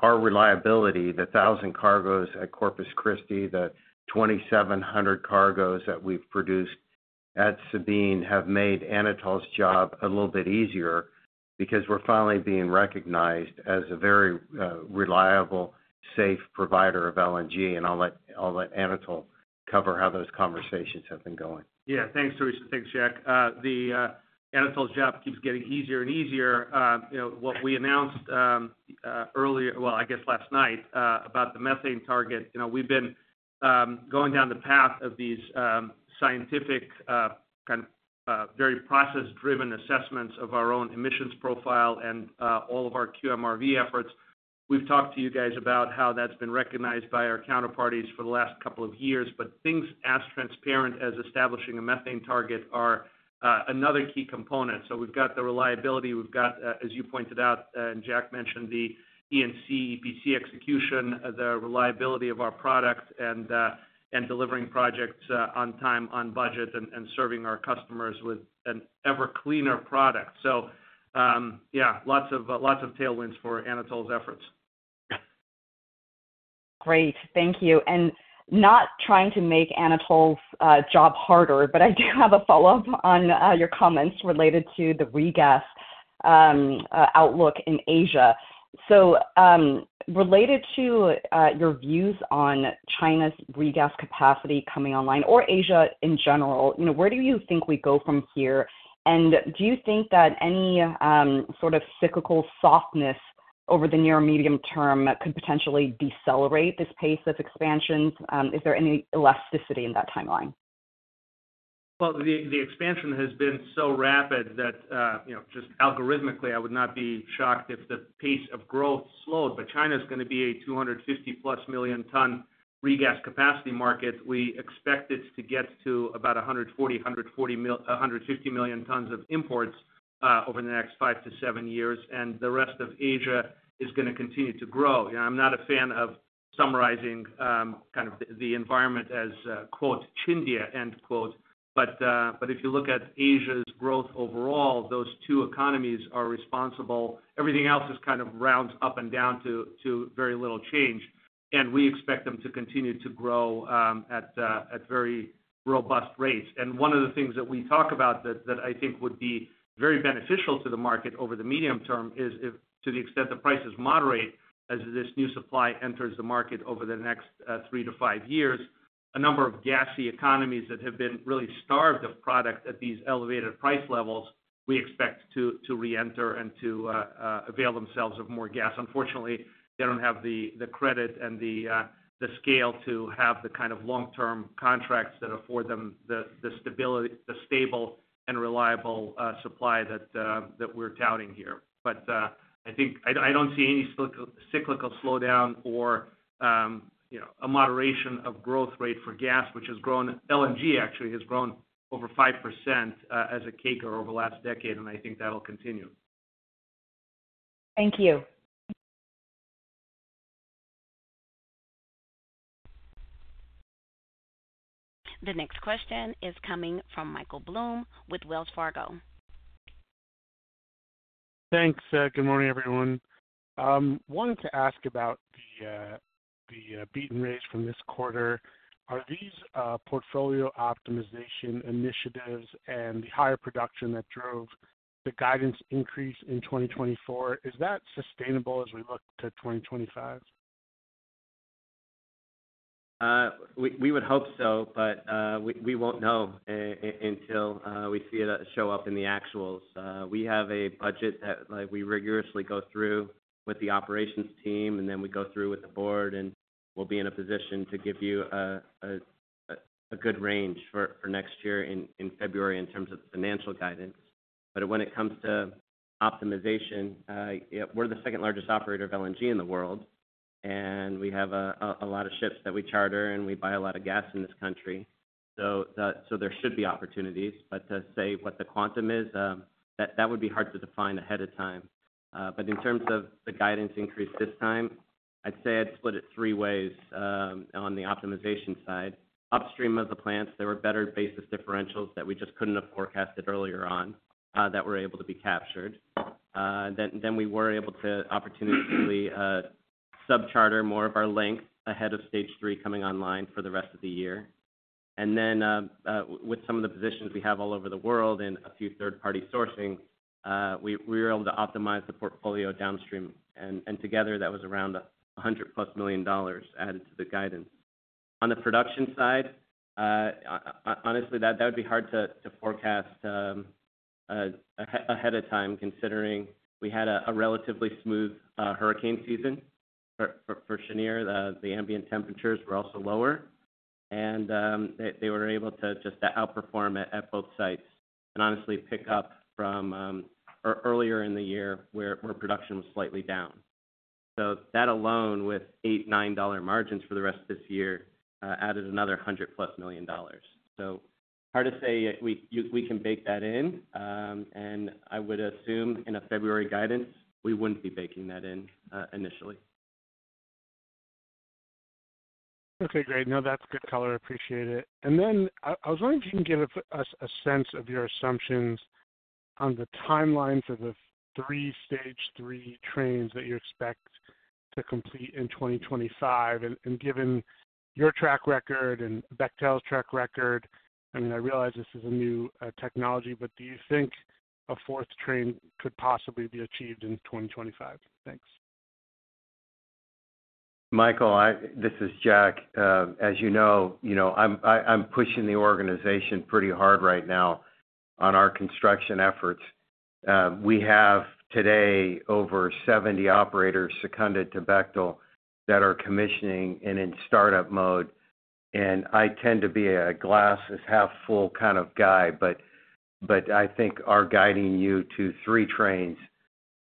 Our reliability, the thousand cargoes at Corpus Christi, the 2,700 cargoes that we've produced at Sabine have made Anatol's job a little bit easier because we're finally being recognized as a very reliable, safe provider of LNG. I'll let Anatol cover how those conversations have been going. Yeah. Thanks, Theresa. Thanks, Jack. The Anatol job keeps getting easier and easier. What we announced earlier, well, I guess last night about the methane target, we've been going down the path of these scientific, kind of very process-driven assessments of our own emissions profile and all of our QMRV efforts. We've talked to you guys about how that's been recognized by our counterparties for the last couple of years. But things as transparent as establishing a methane target are another key component. So we've got the reliability. We've got, as you pointed out, and Jack mentioned, the LNG, EPC execution, the reliability of our product, and delivering projects on time, on budget, and serving our customers with an ever cleaner product. So yeah, lots of tailwinds for Anatol's efforts. Great. Thank you. And not trying to make Anatol's job harder, but I do have a follow-up on your comments related to the regas outlook in Asia. So related to your views on China's regas capacity coming online or Asia in general, where do you think we go from here? Do you think that any sort of cyclical softness over the near medium term could potentially decelerate this pace of expansions? Is there any elasticity in that timeline? Well, the expansion has been so rapid that just algorithmically, I would not be shocked if the pace of growth slowed. But China is going to be a 250+ million-ton regas capacity market. We expect it to get to about 140-150 million tons of imports over the next five to seven years. And the rest of Asia is going to continue to grow. I'm not a fan of summarizing kind of the environment as "Chindia," but if you look at Asia's growth overall, those two economies are responsible. Everything else is kind of rounds up and down to very little change. And we expect them to continue to grow at very robust rates. One of the things that we talk about that I think would be very beneficial to the market over the medium term is to the extent the prices moderate as this new supply enters the market over the next three to five years, a number of gassy economies that have been really starved of product at these elevated price levels, we expect to re-enter and to avail themselves of more gas. Unfortunately, they don't have the credit and the scale to have the kind of long-term contracts that afford them the stable and reliable supply that we're touting here. I don't see any cyclical slowdown or a moderation of growth rate for gas, which has grown. LNG actually has grown over 5% as a CAGR over the last decade. I think that'll continue. Thank you. The next question is coming from Michael Blum with Wells Fargo. Thanks. Good morning, everyone. Wanted to ask about the beat and raise from this quarter. Are these portfolio optimization initiatives and the higher production that drove the guidance increase in 2024, is that sustainable as we look to 2025? We would hope so, but we won't know until we see it show up in the actuals. We have a budget that we rigorously go through with the operations team, and then we go through with the board, and we'll be in a position to give you a good range for next year in February in terms of financial guidance. But when it comes to optimization, we're the second largest operator of LNG in the world, and we have a lot of ships that we charter, and we buy a lot of gas in this country. So there should be opportunities. But to say what the quantum is, that would be hard to define ahead of time. But in terms of the guidance increase this time, I'd say I'd split it three ways on the optimization side. Upstream of the plants, there were better basis differentials that we just couldn't have forecasted earlier on that were able to be captured. Then we were able to opportunistically sub-charter more of our LNG ahead of Stage 3 coming online for the rest of the year. And then with some of the positions we have all over the world and a few third-party sourcing, we were able to optimize the portfolio downstream. And together, that was around $100+ million added to the guidance. On the production side, honestly, that would be hard to forecast ahead of time considering we had a relatively smooth hurricane season for Cheniere. The ambient temperatures were also lower, and they were able to just outperform at both sites and honestly pick up from earlier in the year where production was slightly down. So that alone with $8-$9 margins for the rest of this year added another $100+ million. So hard to say we can bake that in. And I would assume in a February guidance, we wouldn't be baking that in initially. Okay. Great. No, that's good color. Appreciate it. And then I was wondering if you can give us a sense of your assumptions on the timeline for the three Stage 3 trains that you expect to complete in 2025. And given your track record and Bechtel's track record, I mean, I realize this is a new technology, but do you think a fourth train could possibly be achieved in 2025? Thanks. Michael, this is Jack. As you know, I'm pushing the organization pretty hard right now on our construction efforts. We have today over 70 operators seconded to Bechtel that are commissioning and in startup mode. And I tend to be a glass-half-full kind of guy, but I think our guiding you to three trains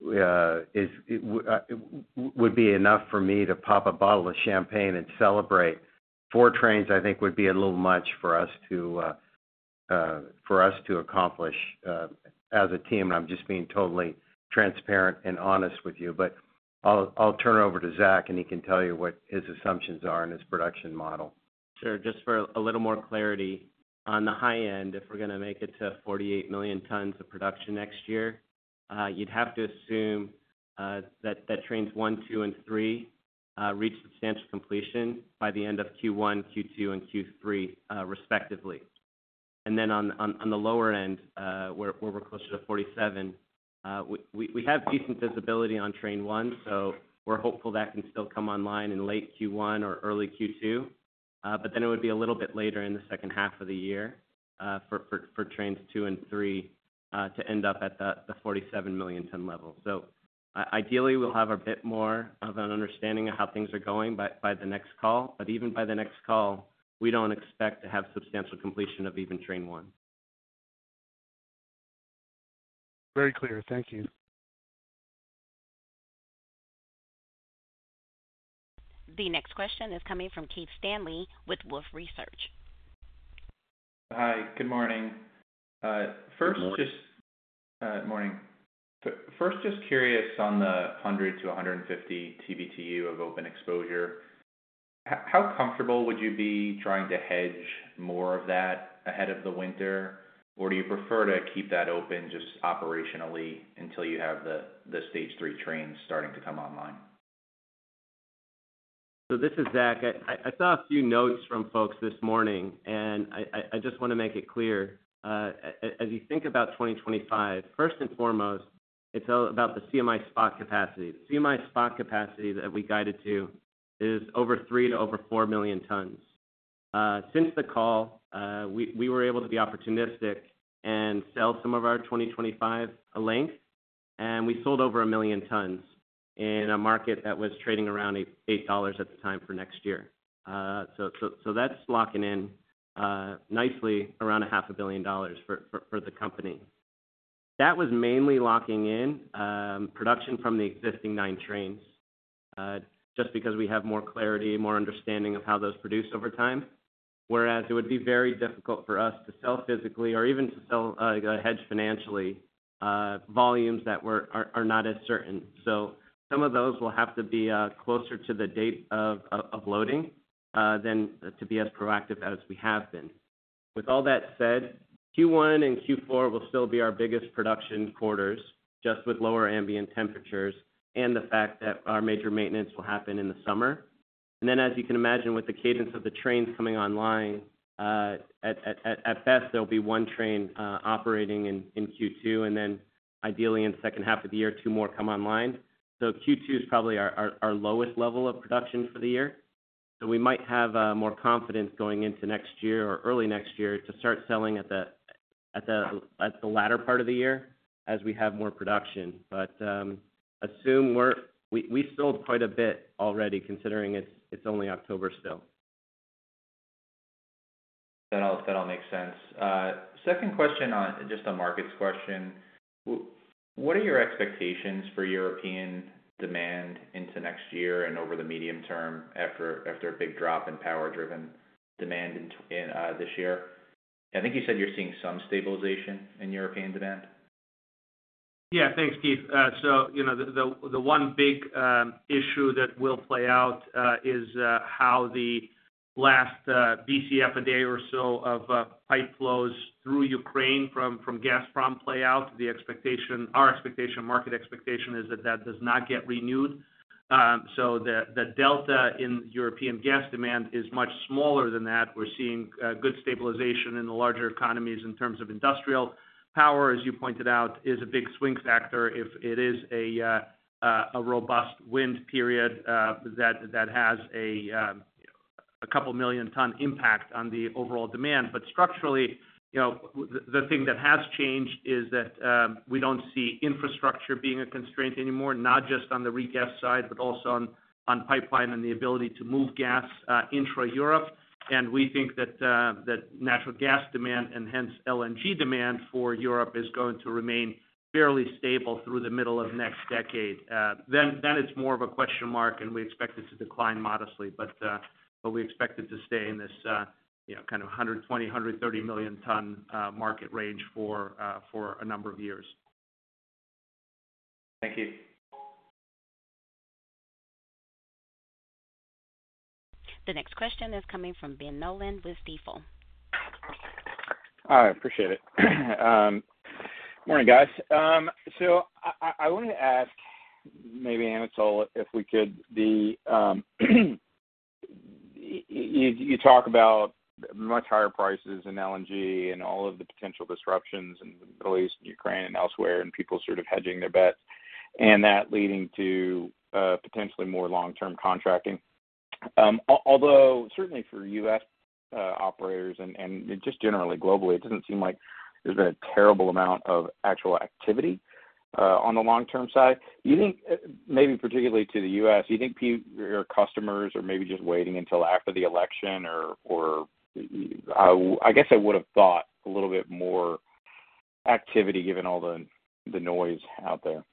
would be enough for me to pop a bottle of champagne and celebrate. Four trains, I think, would be a little much for us to accomplish as a team. And I'm just being totally transparent and honest with you. But I'll turn it over to Zach, and he can tell you what his assumptions are and his production model. Sure. Just for a little more clarity, on the high end, if we're going to make it to 48 million tons of production next year, you'd have to assume that Train 1, 2, and 3 reach substantial completion by the end of Q1, Q2, and Q3 respectively. Then on the lower end, where we're closer to 47, we have decent visibility on Train 1, so we're hopeful that can still come online in late Q1 or early Q2. Then it would be a little bit later in the second half of the year for Train 2 and 3 to end up at the 47 million-ton level. Ideally, we'll have a bit more of an understanding of how things are going by the next call. Even by the next call, we don't expect to have substantial completion of even Train 1. Very clear. Thank you. The next question is coming from Keith Stanley with Wolfe Research. Hi. Good morning. Good morning. First, just curious on the 100-150 TBtu of open exposure. How comfortable would you be trying to hedge more of that ahead of the winter, or do you prefer to keep that open just operationally until you have the Stage 3 trains starting to come online? So this is Zach. I saw a few notes from folks this morning, and I just want to make it clear. As you think about 2025, first and foremost, it's about the CMI spot capacity. The CMI spot capacity that we guided to is over 3-4 million tons. Since the call, we were able to be opportunistic and sell some of our 2025 length, and we sold over 1 million tons in a market that was trading around $8 at the time for next year. So that's locking in nicely around $500 million for the company. That was mainly locking in production from the existing nine trains just because we have more clarity, more understanding of how those produce over time, whereas it would be very difficult for us to sell physically or even to sell a hedge financially volumes that are not as certain. So some of those will have to be closer to the date of loading than to be as proactive as we have been. With all that said, Q1 and Q4 will still be our biggest production quarters just with lower ambient temperatures and the fact that our major maintenance will happen in the summer. And then, as you can imagine, with the cadence of the trains coming online, at best, there'll be one train operating in Q2, and then ideally, in the second half of the year, two more come online. So Q2 is probably our lowest level of production for the year. So we might have more confidence going into next year or early next year to start selling at the latter part of the year as we have more production. But assume we sold quite a bit already considering it's only October still. That all makes sense. Second question on just a markets question. What are your expectations for European demand into next year and over the medium term after a big drop in power-driven demand this year? I think you said you're seeing some stabilization in European demand. Yeah. Thanks, Keith. So the one big issue that will play out is how the last BCF a day or so of pipe flows through Ukraine from Gazprom play out. Our expectation, market expectation is that that does not get renewed. So the delta in European gas demand is much smaller than that. We're seeing good stabilization in the larger economies in terms of industrial power, as you pointed out, is a big swing factor if it is a robust wind period that has a couple million-ton impact on the overall demand. But structurally, the thing that has changed is that we don't see infrastructure being a constraint anymore, not just on the regas side, but also on pipeline and the ability to move gas intra-Europe. And we think that natural gas demand and hence LNG demand for Europe is going to remain fairly stable through the middle of next decade. Then it's more of a question mark, and we expect it to decline modestly, but we expect it to stay in this kind of 120-130 million-ton market range for a number of years. Thank you. The next question is coming from Ben Nolan with Stifel. All right. Appreciate it. Morning, guys. So I wanted to ask maybe Anatol if we could. You talk about much higher prices in LNG and all of the potential disruptions in the Middle East, Ukraine, and elsewhere, and people sort of hedging their bets and that leading to potentially more long-term contracting. Although certainly for U.S. operators and just generally globally, it doesn't seem like there's been a terrible amount of actual activity on the long-term side. Maybe particularly to the U.S., you think your customers are maybe just waiting until after the election or I guess I would have thought a little bit more activity given all the noise out there.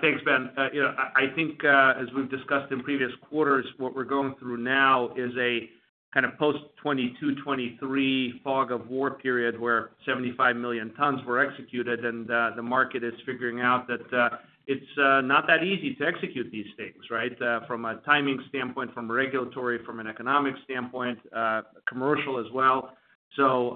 Thanks, Ben. I think as we've discussed in previous quarters, what we're going through now is a kind of post-2022, 2023 fog of war period where 75 million tons were executed, and the market is figuring out that it's not that easy to execute these things, right, from a timing standpoint, from a regulatory, from an economic standpoint, commercial as well. So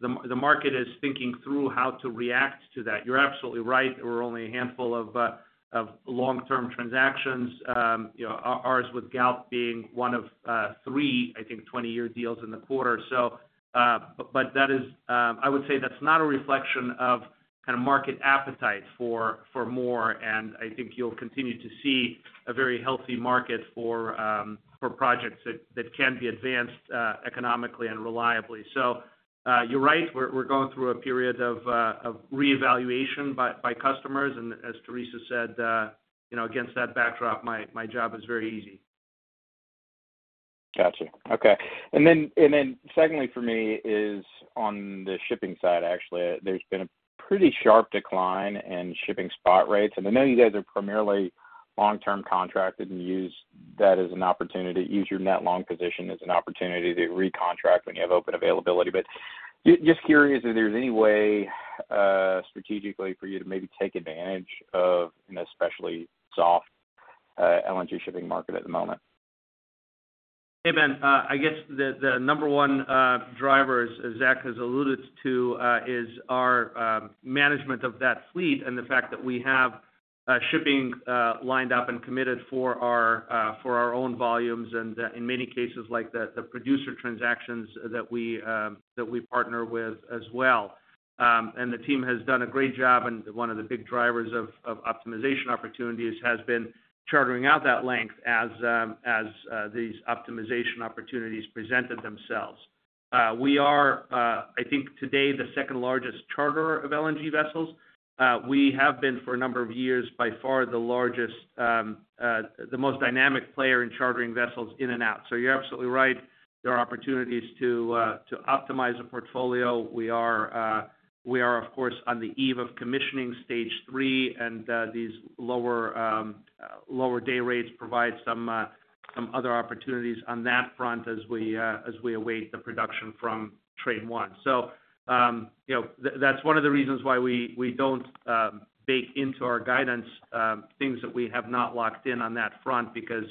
the market is thinking through how to react to that. You're absolutely right. There were only a handful of long-term transactions, ours with Galp being one of three, I think, 20-year deals in the quarter. But I would say that's not a reflection of kind of market appetite for more. And I think you'll continue to see a very healthy market for projects that can be advanced economically and reliably. So you're right. We're going through a period of reevaluation by customers. As Jack said, against that backdrop, my job is very easy. Gotcha. Okay. Then secondly for me is on the shipping side, actually, there's been a pretty sharp decline in shipping spot rates. I know you guys are primarily long-term contracted and use that as an opportunity, use your net long position as an opportunity to recontract when you have open availability. But just curious, if there's any way strategically for you to maybe take advantage of an especially soft LNG shipping market at the moment. Hey, Ben. I guess the number one driver, as Zach has alluded to, is our management of that fleet and the fact that we have shipping lined up and committed for our own volumes and in many cases like the producer transactions that we partner with as well. And the team has done a great job, and one of the big drivers of optimization opportunities has been chartering out that length as these optimization opportunities presented themselves. We are, I think, today the second largest charterer of LNG vessels. We have been for a number of years by far the most dynamic player in chartering vessels in and out. So you're absolutely right. There are opportunities to optimize a portfolio. We are, of course, on the eve of commissioning Stage 3, and these lower day rates provide some other opportunities on that front as we await the production from Train 1. So that's one of the reasons why we don't bake into our guidance things that we have not locked in on that front because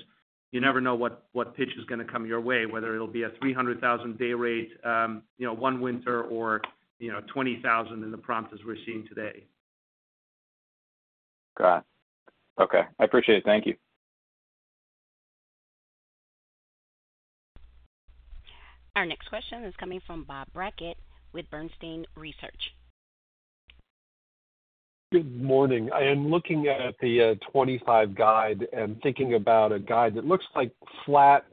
you never know what pitch is going to come your way, whether it'll be a 300,000 day rate one winter or 20,000 in the prompt as we're seeing today. Got it. Okay. I appreciate it. Thank you. Our next question is coming from Bob Brackett with Bernstein Research. Good morning. I am looking at the 2025 guide and thinking about a guide that looks like flat,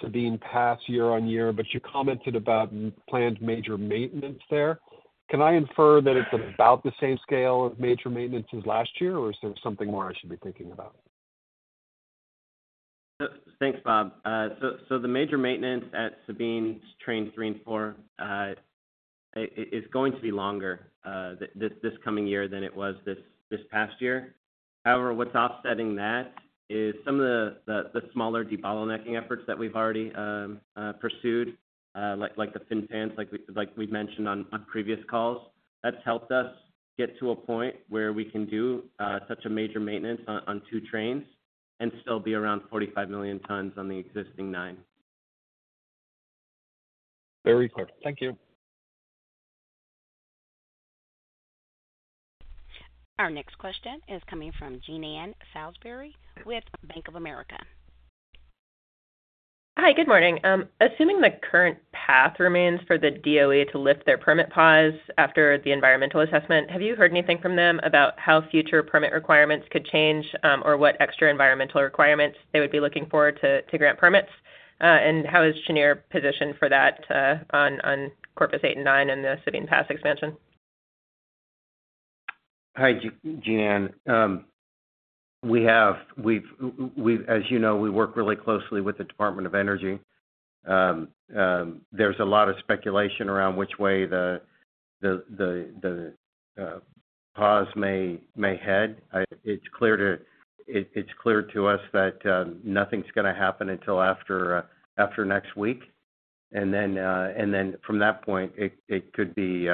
Sabine Pass year-on-year, but you commented about planned major maintenance there. Can I infer that it's about the same scale of major maintenance as last year, or is there something more I should be thinking about? Thanks, Bob. So the major maintenance at Sabine's Train 3 and 4 is going to be longer this coming year than it was this past year. However, what's offsetting that is some of the smaller debottlenecking efforts that we've already pursued, like the fin fans, like we've mentioned on previous calls. That's helped us get to a point where we can do such a major maintenance on two trains and still be around 45 million tons on the existing nine. Very clear. Thank you. Our next question is coming from Jean Ann Salisbury with Bank of America. Hi. Good morning. Assuming the current path remains for the DOE to lift their permit pause after the environmental assessment, have you heard anything from them about how future permit requirements could change or what extra environmental requirements they would be looking for to grant permits? How is Cheniere positioned for that on Corpus 8 and 9 and the Sabine Pass expansion? Hi, Jean Ann. As you know, we work really closely with the Department of Energy. There's a lot of speculation around which way the pause may head. It's clear to us that nothing's going to happen until after next week. And then from that point, it could be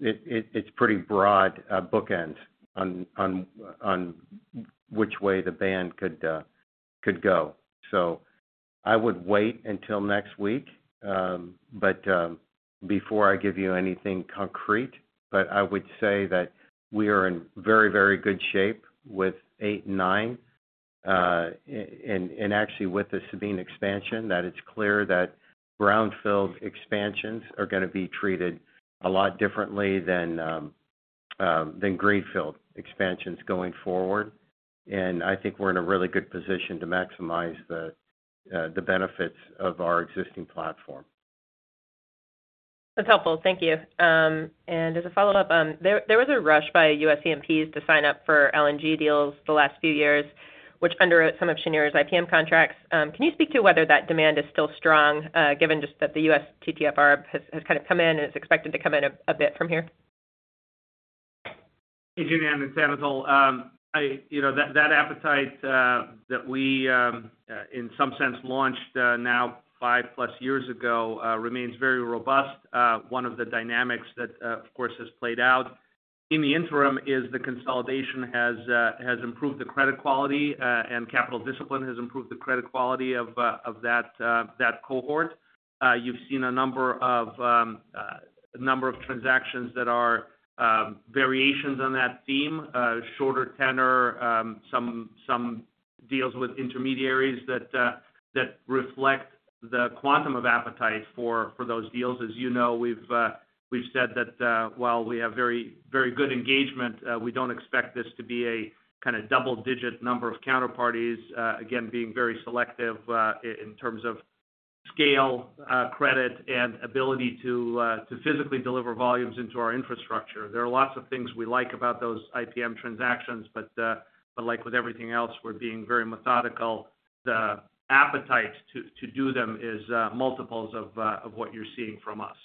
it's pretty broad bookends on which way the band could go. So I would wait until next week. But before I give you anything concrete, I would say that we are in very, very good shape with eight and nine. And actually, with the Sabine expansion, that it's clear that brownfield expansions are going to be treated a lot differently than greenfield expansions going forward. And I think we're in a really good position to maximize the benefits of our existing platform. That's helpful. Thank you. And as a follow-up, there was a rush by U.S. E&Ps to sign up for LNG deals the last few years, which underwrote some of Cheniere's IPM contracts. Can you speak to whether that demand is still strong given just that the U.S. TTF arb has kind of come in and is expected to come in a bit from here? Thank you, Jean Ann it's Anatol. That appetite that we in some sense launched now 5+ years ago remains very robust. One of the dynamics that, of course, has played out in the interim is the consolidation has improved the credit quality, and capital discipline has improved the credit quality of that cohort. You've seen a number of transactions that are variations on that theme, shorter tenor, some deals with intermediaries that reflect the quantum of appetite for those deals. As you know, we've said that while we have very good engagement, we don't expect this to be a kind of double-digit number of counterparties, again, being very selective in terms of scale, credit, and ability to physically deliver volumes into our infrastructure. There are lots of things we like about those IPM transactions, but like with everything else, we're being very methodical. The appetite to do them is multiples of what you're seeing from us.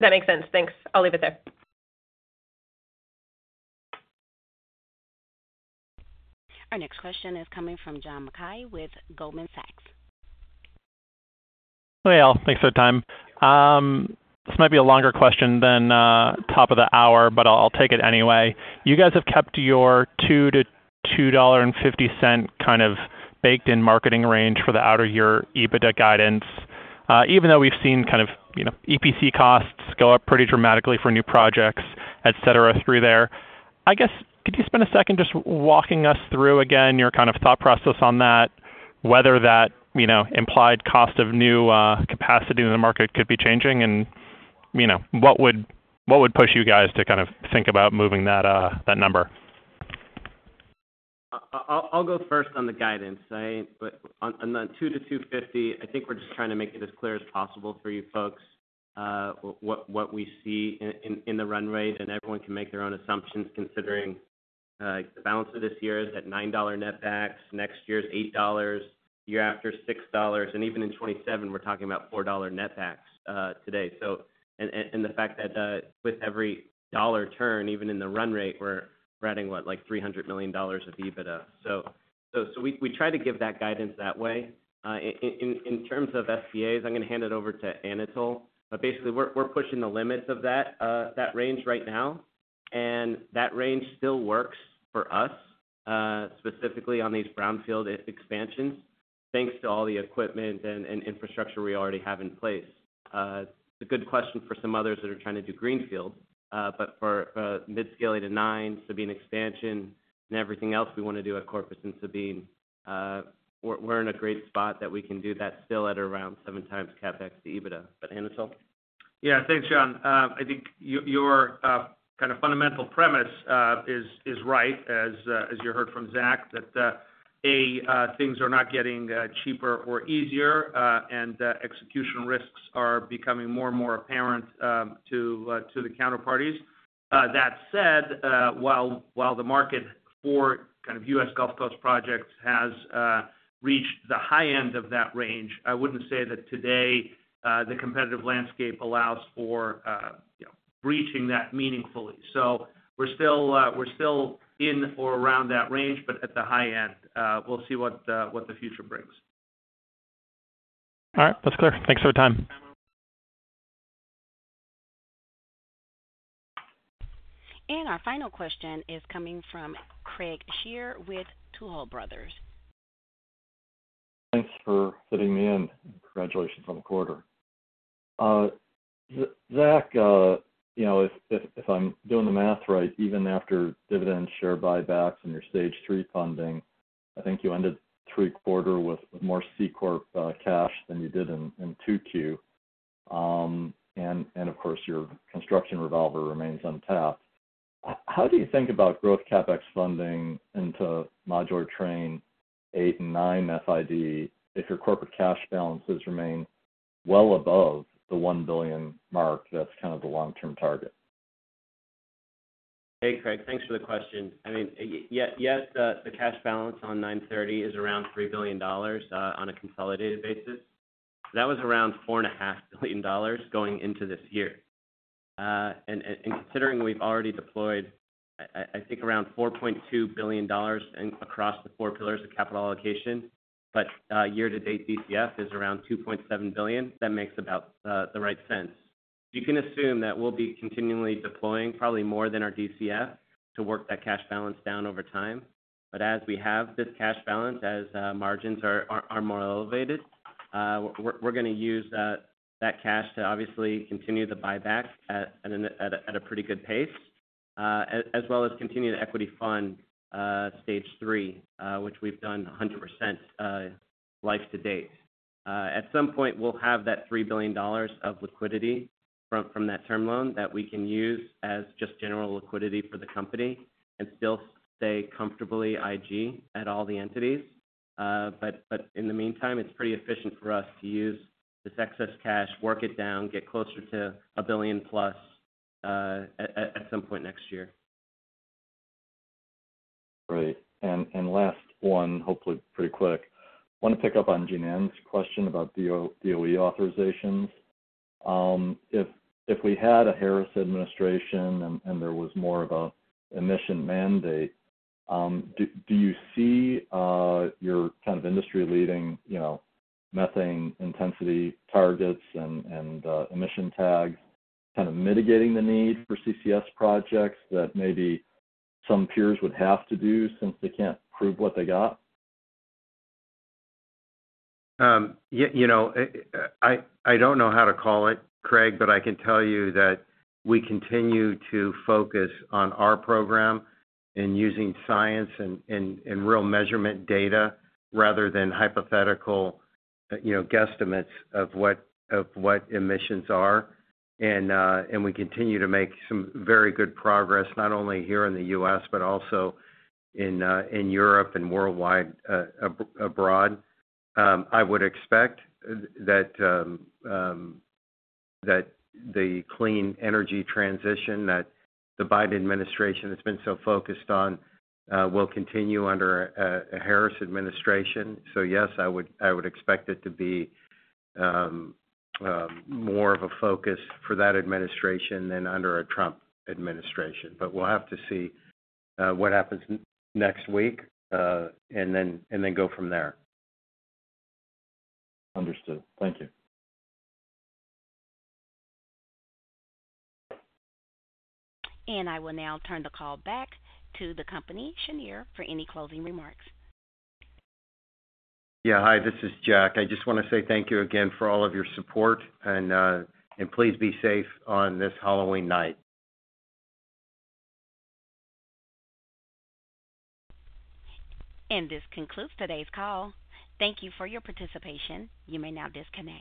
That makes sense. Thanks. I'll leave it there. Our next question is coming from John Mackay with Goldman Sachs. Hey, All. Thanks for the time. This might be a longer question than top of the hour, but I'll take it anyway. You guys have kept your $2-$2.50 kind of baked-in marketing range for the outer year EBITDA guidance, even though we've seen kind of EPC costs go up pretty dramatically for new projects, etc., through there. I guess, could you spend a second just walking us through again your kind of thought process on that, whether that implied cost of new capacity in the market could be changing, and what would push you guys to kind of think about moving that number? I'll go first on the guidance. On the $2-$2.50, I think we're just trying to make it as clear as possible for you folks what we see in the run rate. Everyone can make their own assumptions considering the balance of this year is at $9 netbacks, next year's $8, year after $6, and even in 2027, we're talking about $4 netbacks today. The fact that with every dollar turn, even in the run rate, we're adding what, like $300 million of EBITDA. We try to give that guidance that way. In terms of SPAs, I'm going to hand it over to Anatol. Basically, we're pushing the limits of that range right now. That range still works for us, specifically on these brownfield expansions, thanks to all the equipment and infrastructure we already have in place. It's a good question for some others that are trying to do greenfield. But for Midscale 8-9, Sabine expansion, and everything else we want to do at Corpus and Sabine, we're in a great spot that we can do that still at around 7x CapEx to EBITDA. But Anatol? Yeah. Thanks John. I think your kind of fundamental premise is right, as you heard from Zach, that A, things are not getting cheaper or easier, and execution risks are becoming more and more apparent to the counterparties. That said, while the market for kind of U.S. Gulf Coast projects has reached the high end of that range, I wouldn't say that today the competitive landscape allows for breaching that meaningfully. So we're still in or around that range, but at the high end. We'll see what the future brings. All right. That's clear. Thanks for the time. And our final question is coming from Craig Shere with Tuohy Brothers. Thanks for fitting me in. Congratulations on the quarter. Zach, if I'm doing the math right, even after dividend share buybacks and your Stage 3 funding, I think you ended third quarter with more C Corp cash than you did in 2Q. Of course, your construction revolver remains untapped. How do you think about growth CapEx funding into modular Train 8 and 9 FID if your corporate cash balances remain well above the $1 billion mark that's kind of the long-term target? Hey, Craig. Thanks for the question. I mean, yes, the cash balance on 9/30 is around $3 billion on a consolidated basis. That was around $4.5 billion going into this year. Considering we've already deployed, I think, around $4.2 billion across the four pillars of capital allocation, year-to-date DCF is around $2.7 billion. That makes about the right sense. You can assume that we'll be continually deploying probably more than our DCF to work that cash balance down over time. But as we have this cash balance, as margins are more elevated, we're going to use that cash to obviously continue the buyback at a pretty good pace, as well as continue the equity fund Stage 3, which we've done 100% life to date. At some point, we'll have that $3 billion of liquidity from that term loan that we can use as just general liquidity for the company and still stay comfortably IG at all the entities. But in the meantime, it's pretty efficient for us to use this excess cash, work it down, get closer to a billion plus at some point next year. Great. And last one, hopefully pretty quick. I want to pick up on Jean Ann's question about DOE authorizations. If we had a Harris administration and there was more of an emission mandate, do you see your kind of industry-leading methane intensity targets and emission tags kind of mitigating the need for CCS projects that maybe some peers would have to do since they can't prove what they got? I don't know how to call it, Craig, but I can tell you that we continue to focus on our program and using science and real measurement data rather than hypothetical guesstimates of what emissions are, and we continue to make some very good progress not only here in the U.S., but also in Europe and worldwide abroad. I would expect that the clean energy transition that the Biden administration has been so focused on will continue under a Harris administration. So yes, I would expect it to be more of a focus for that administration than under a Trump administration. But we'll have to see what happens next week and then go from there. Understood. Thank you. And I will now turn the call back to the company, Cheniere, for any closing remarks. Yeah. Hi. This is Jack. I just want to say thank you again for all of your support. And please be safe on this Halloween night. And this concludes today's call. Thank you for your participation. You may now disconnect.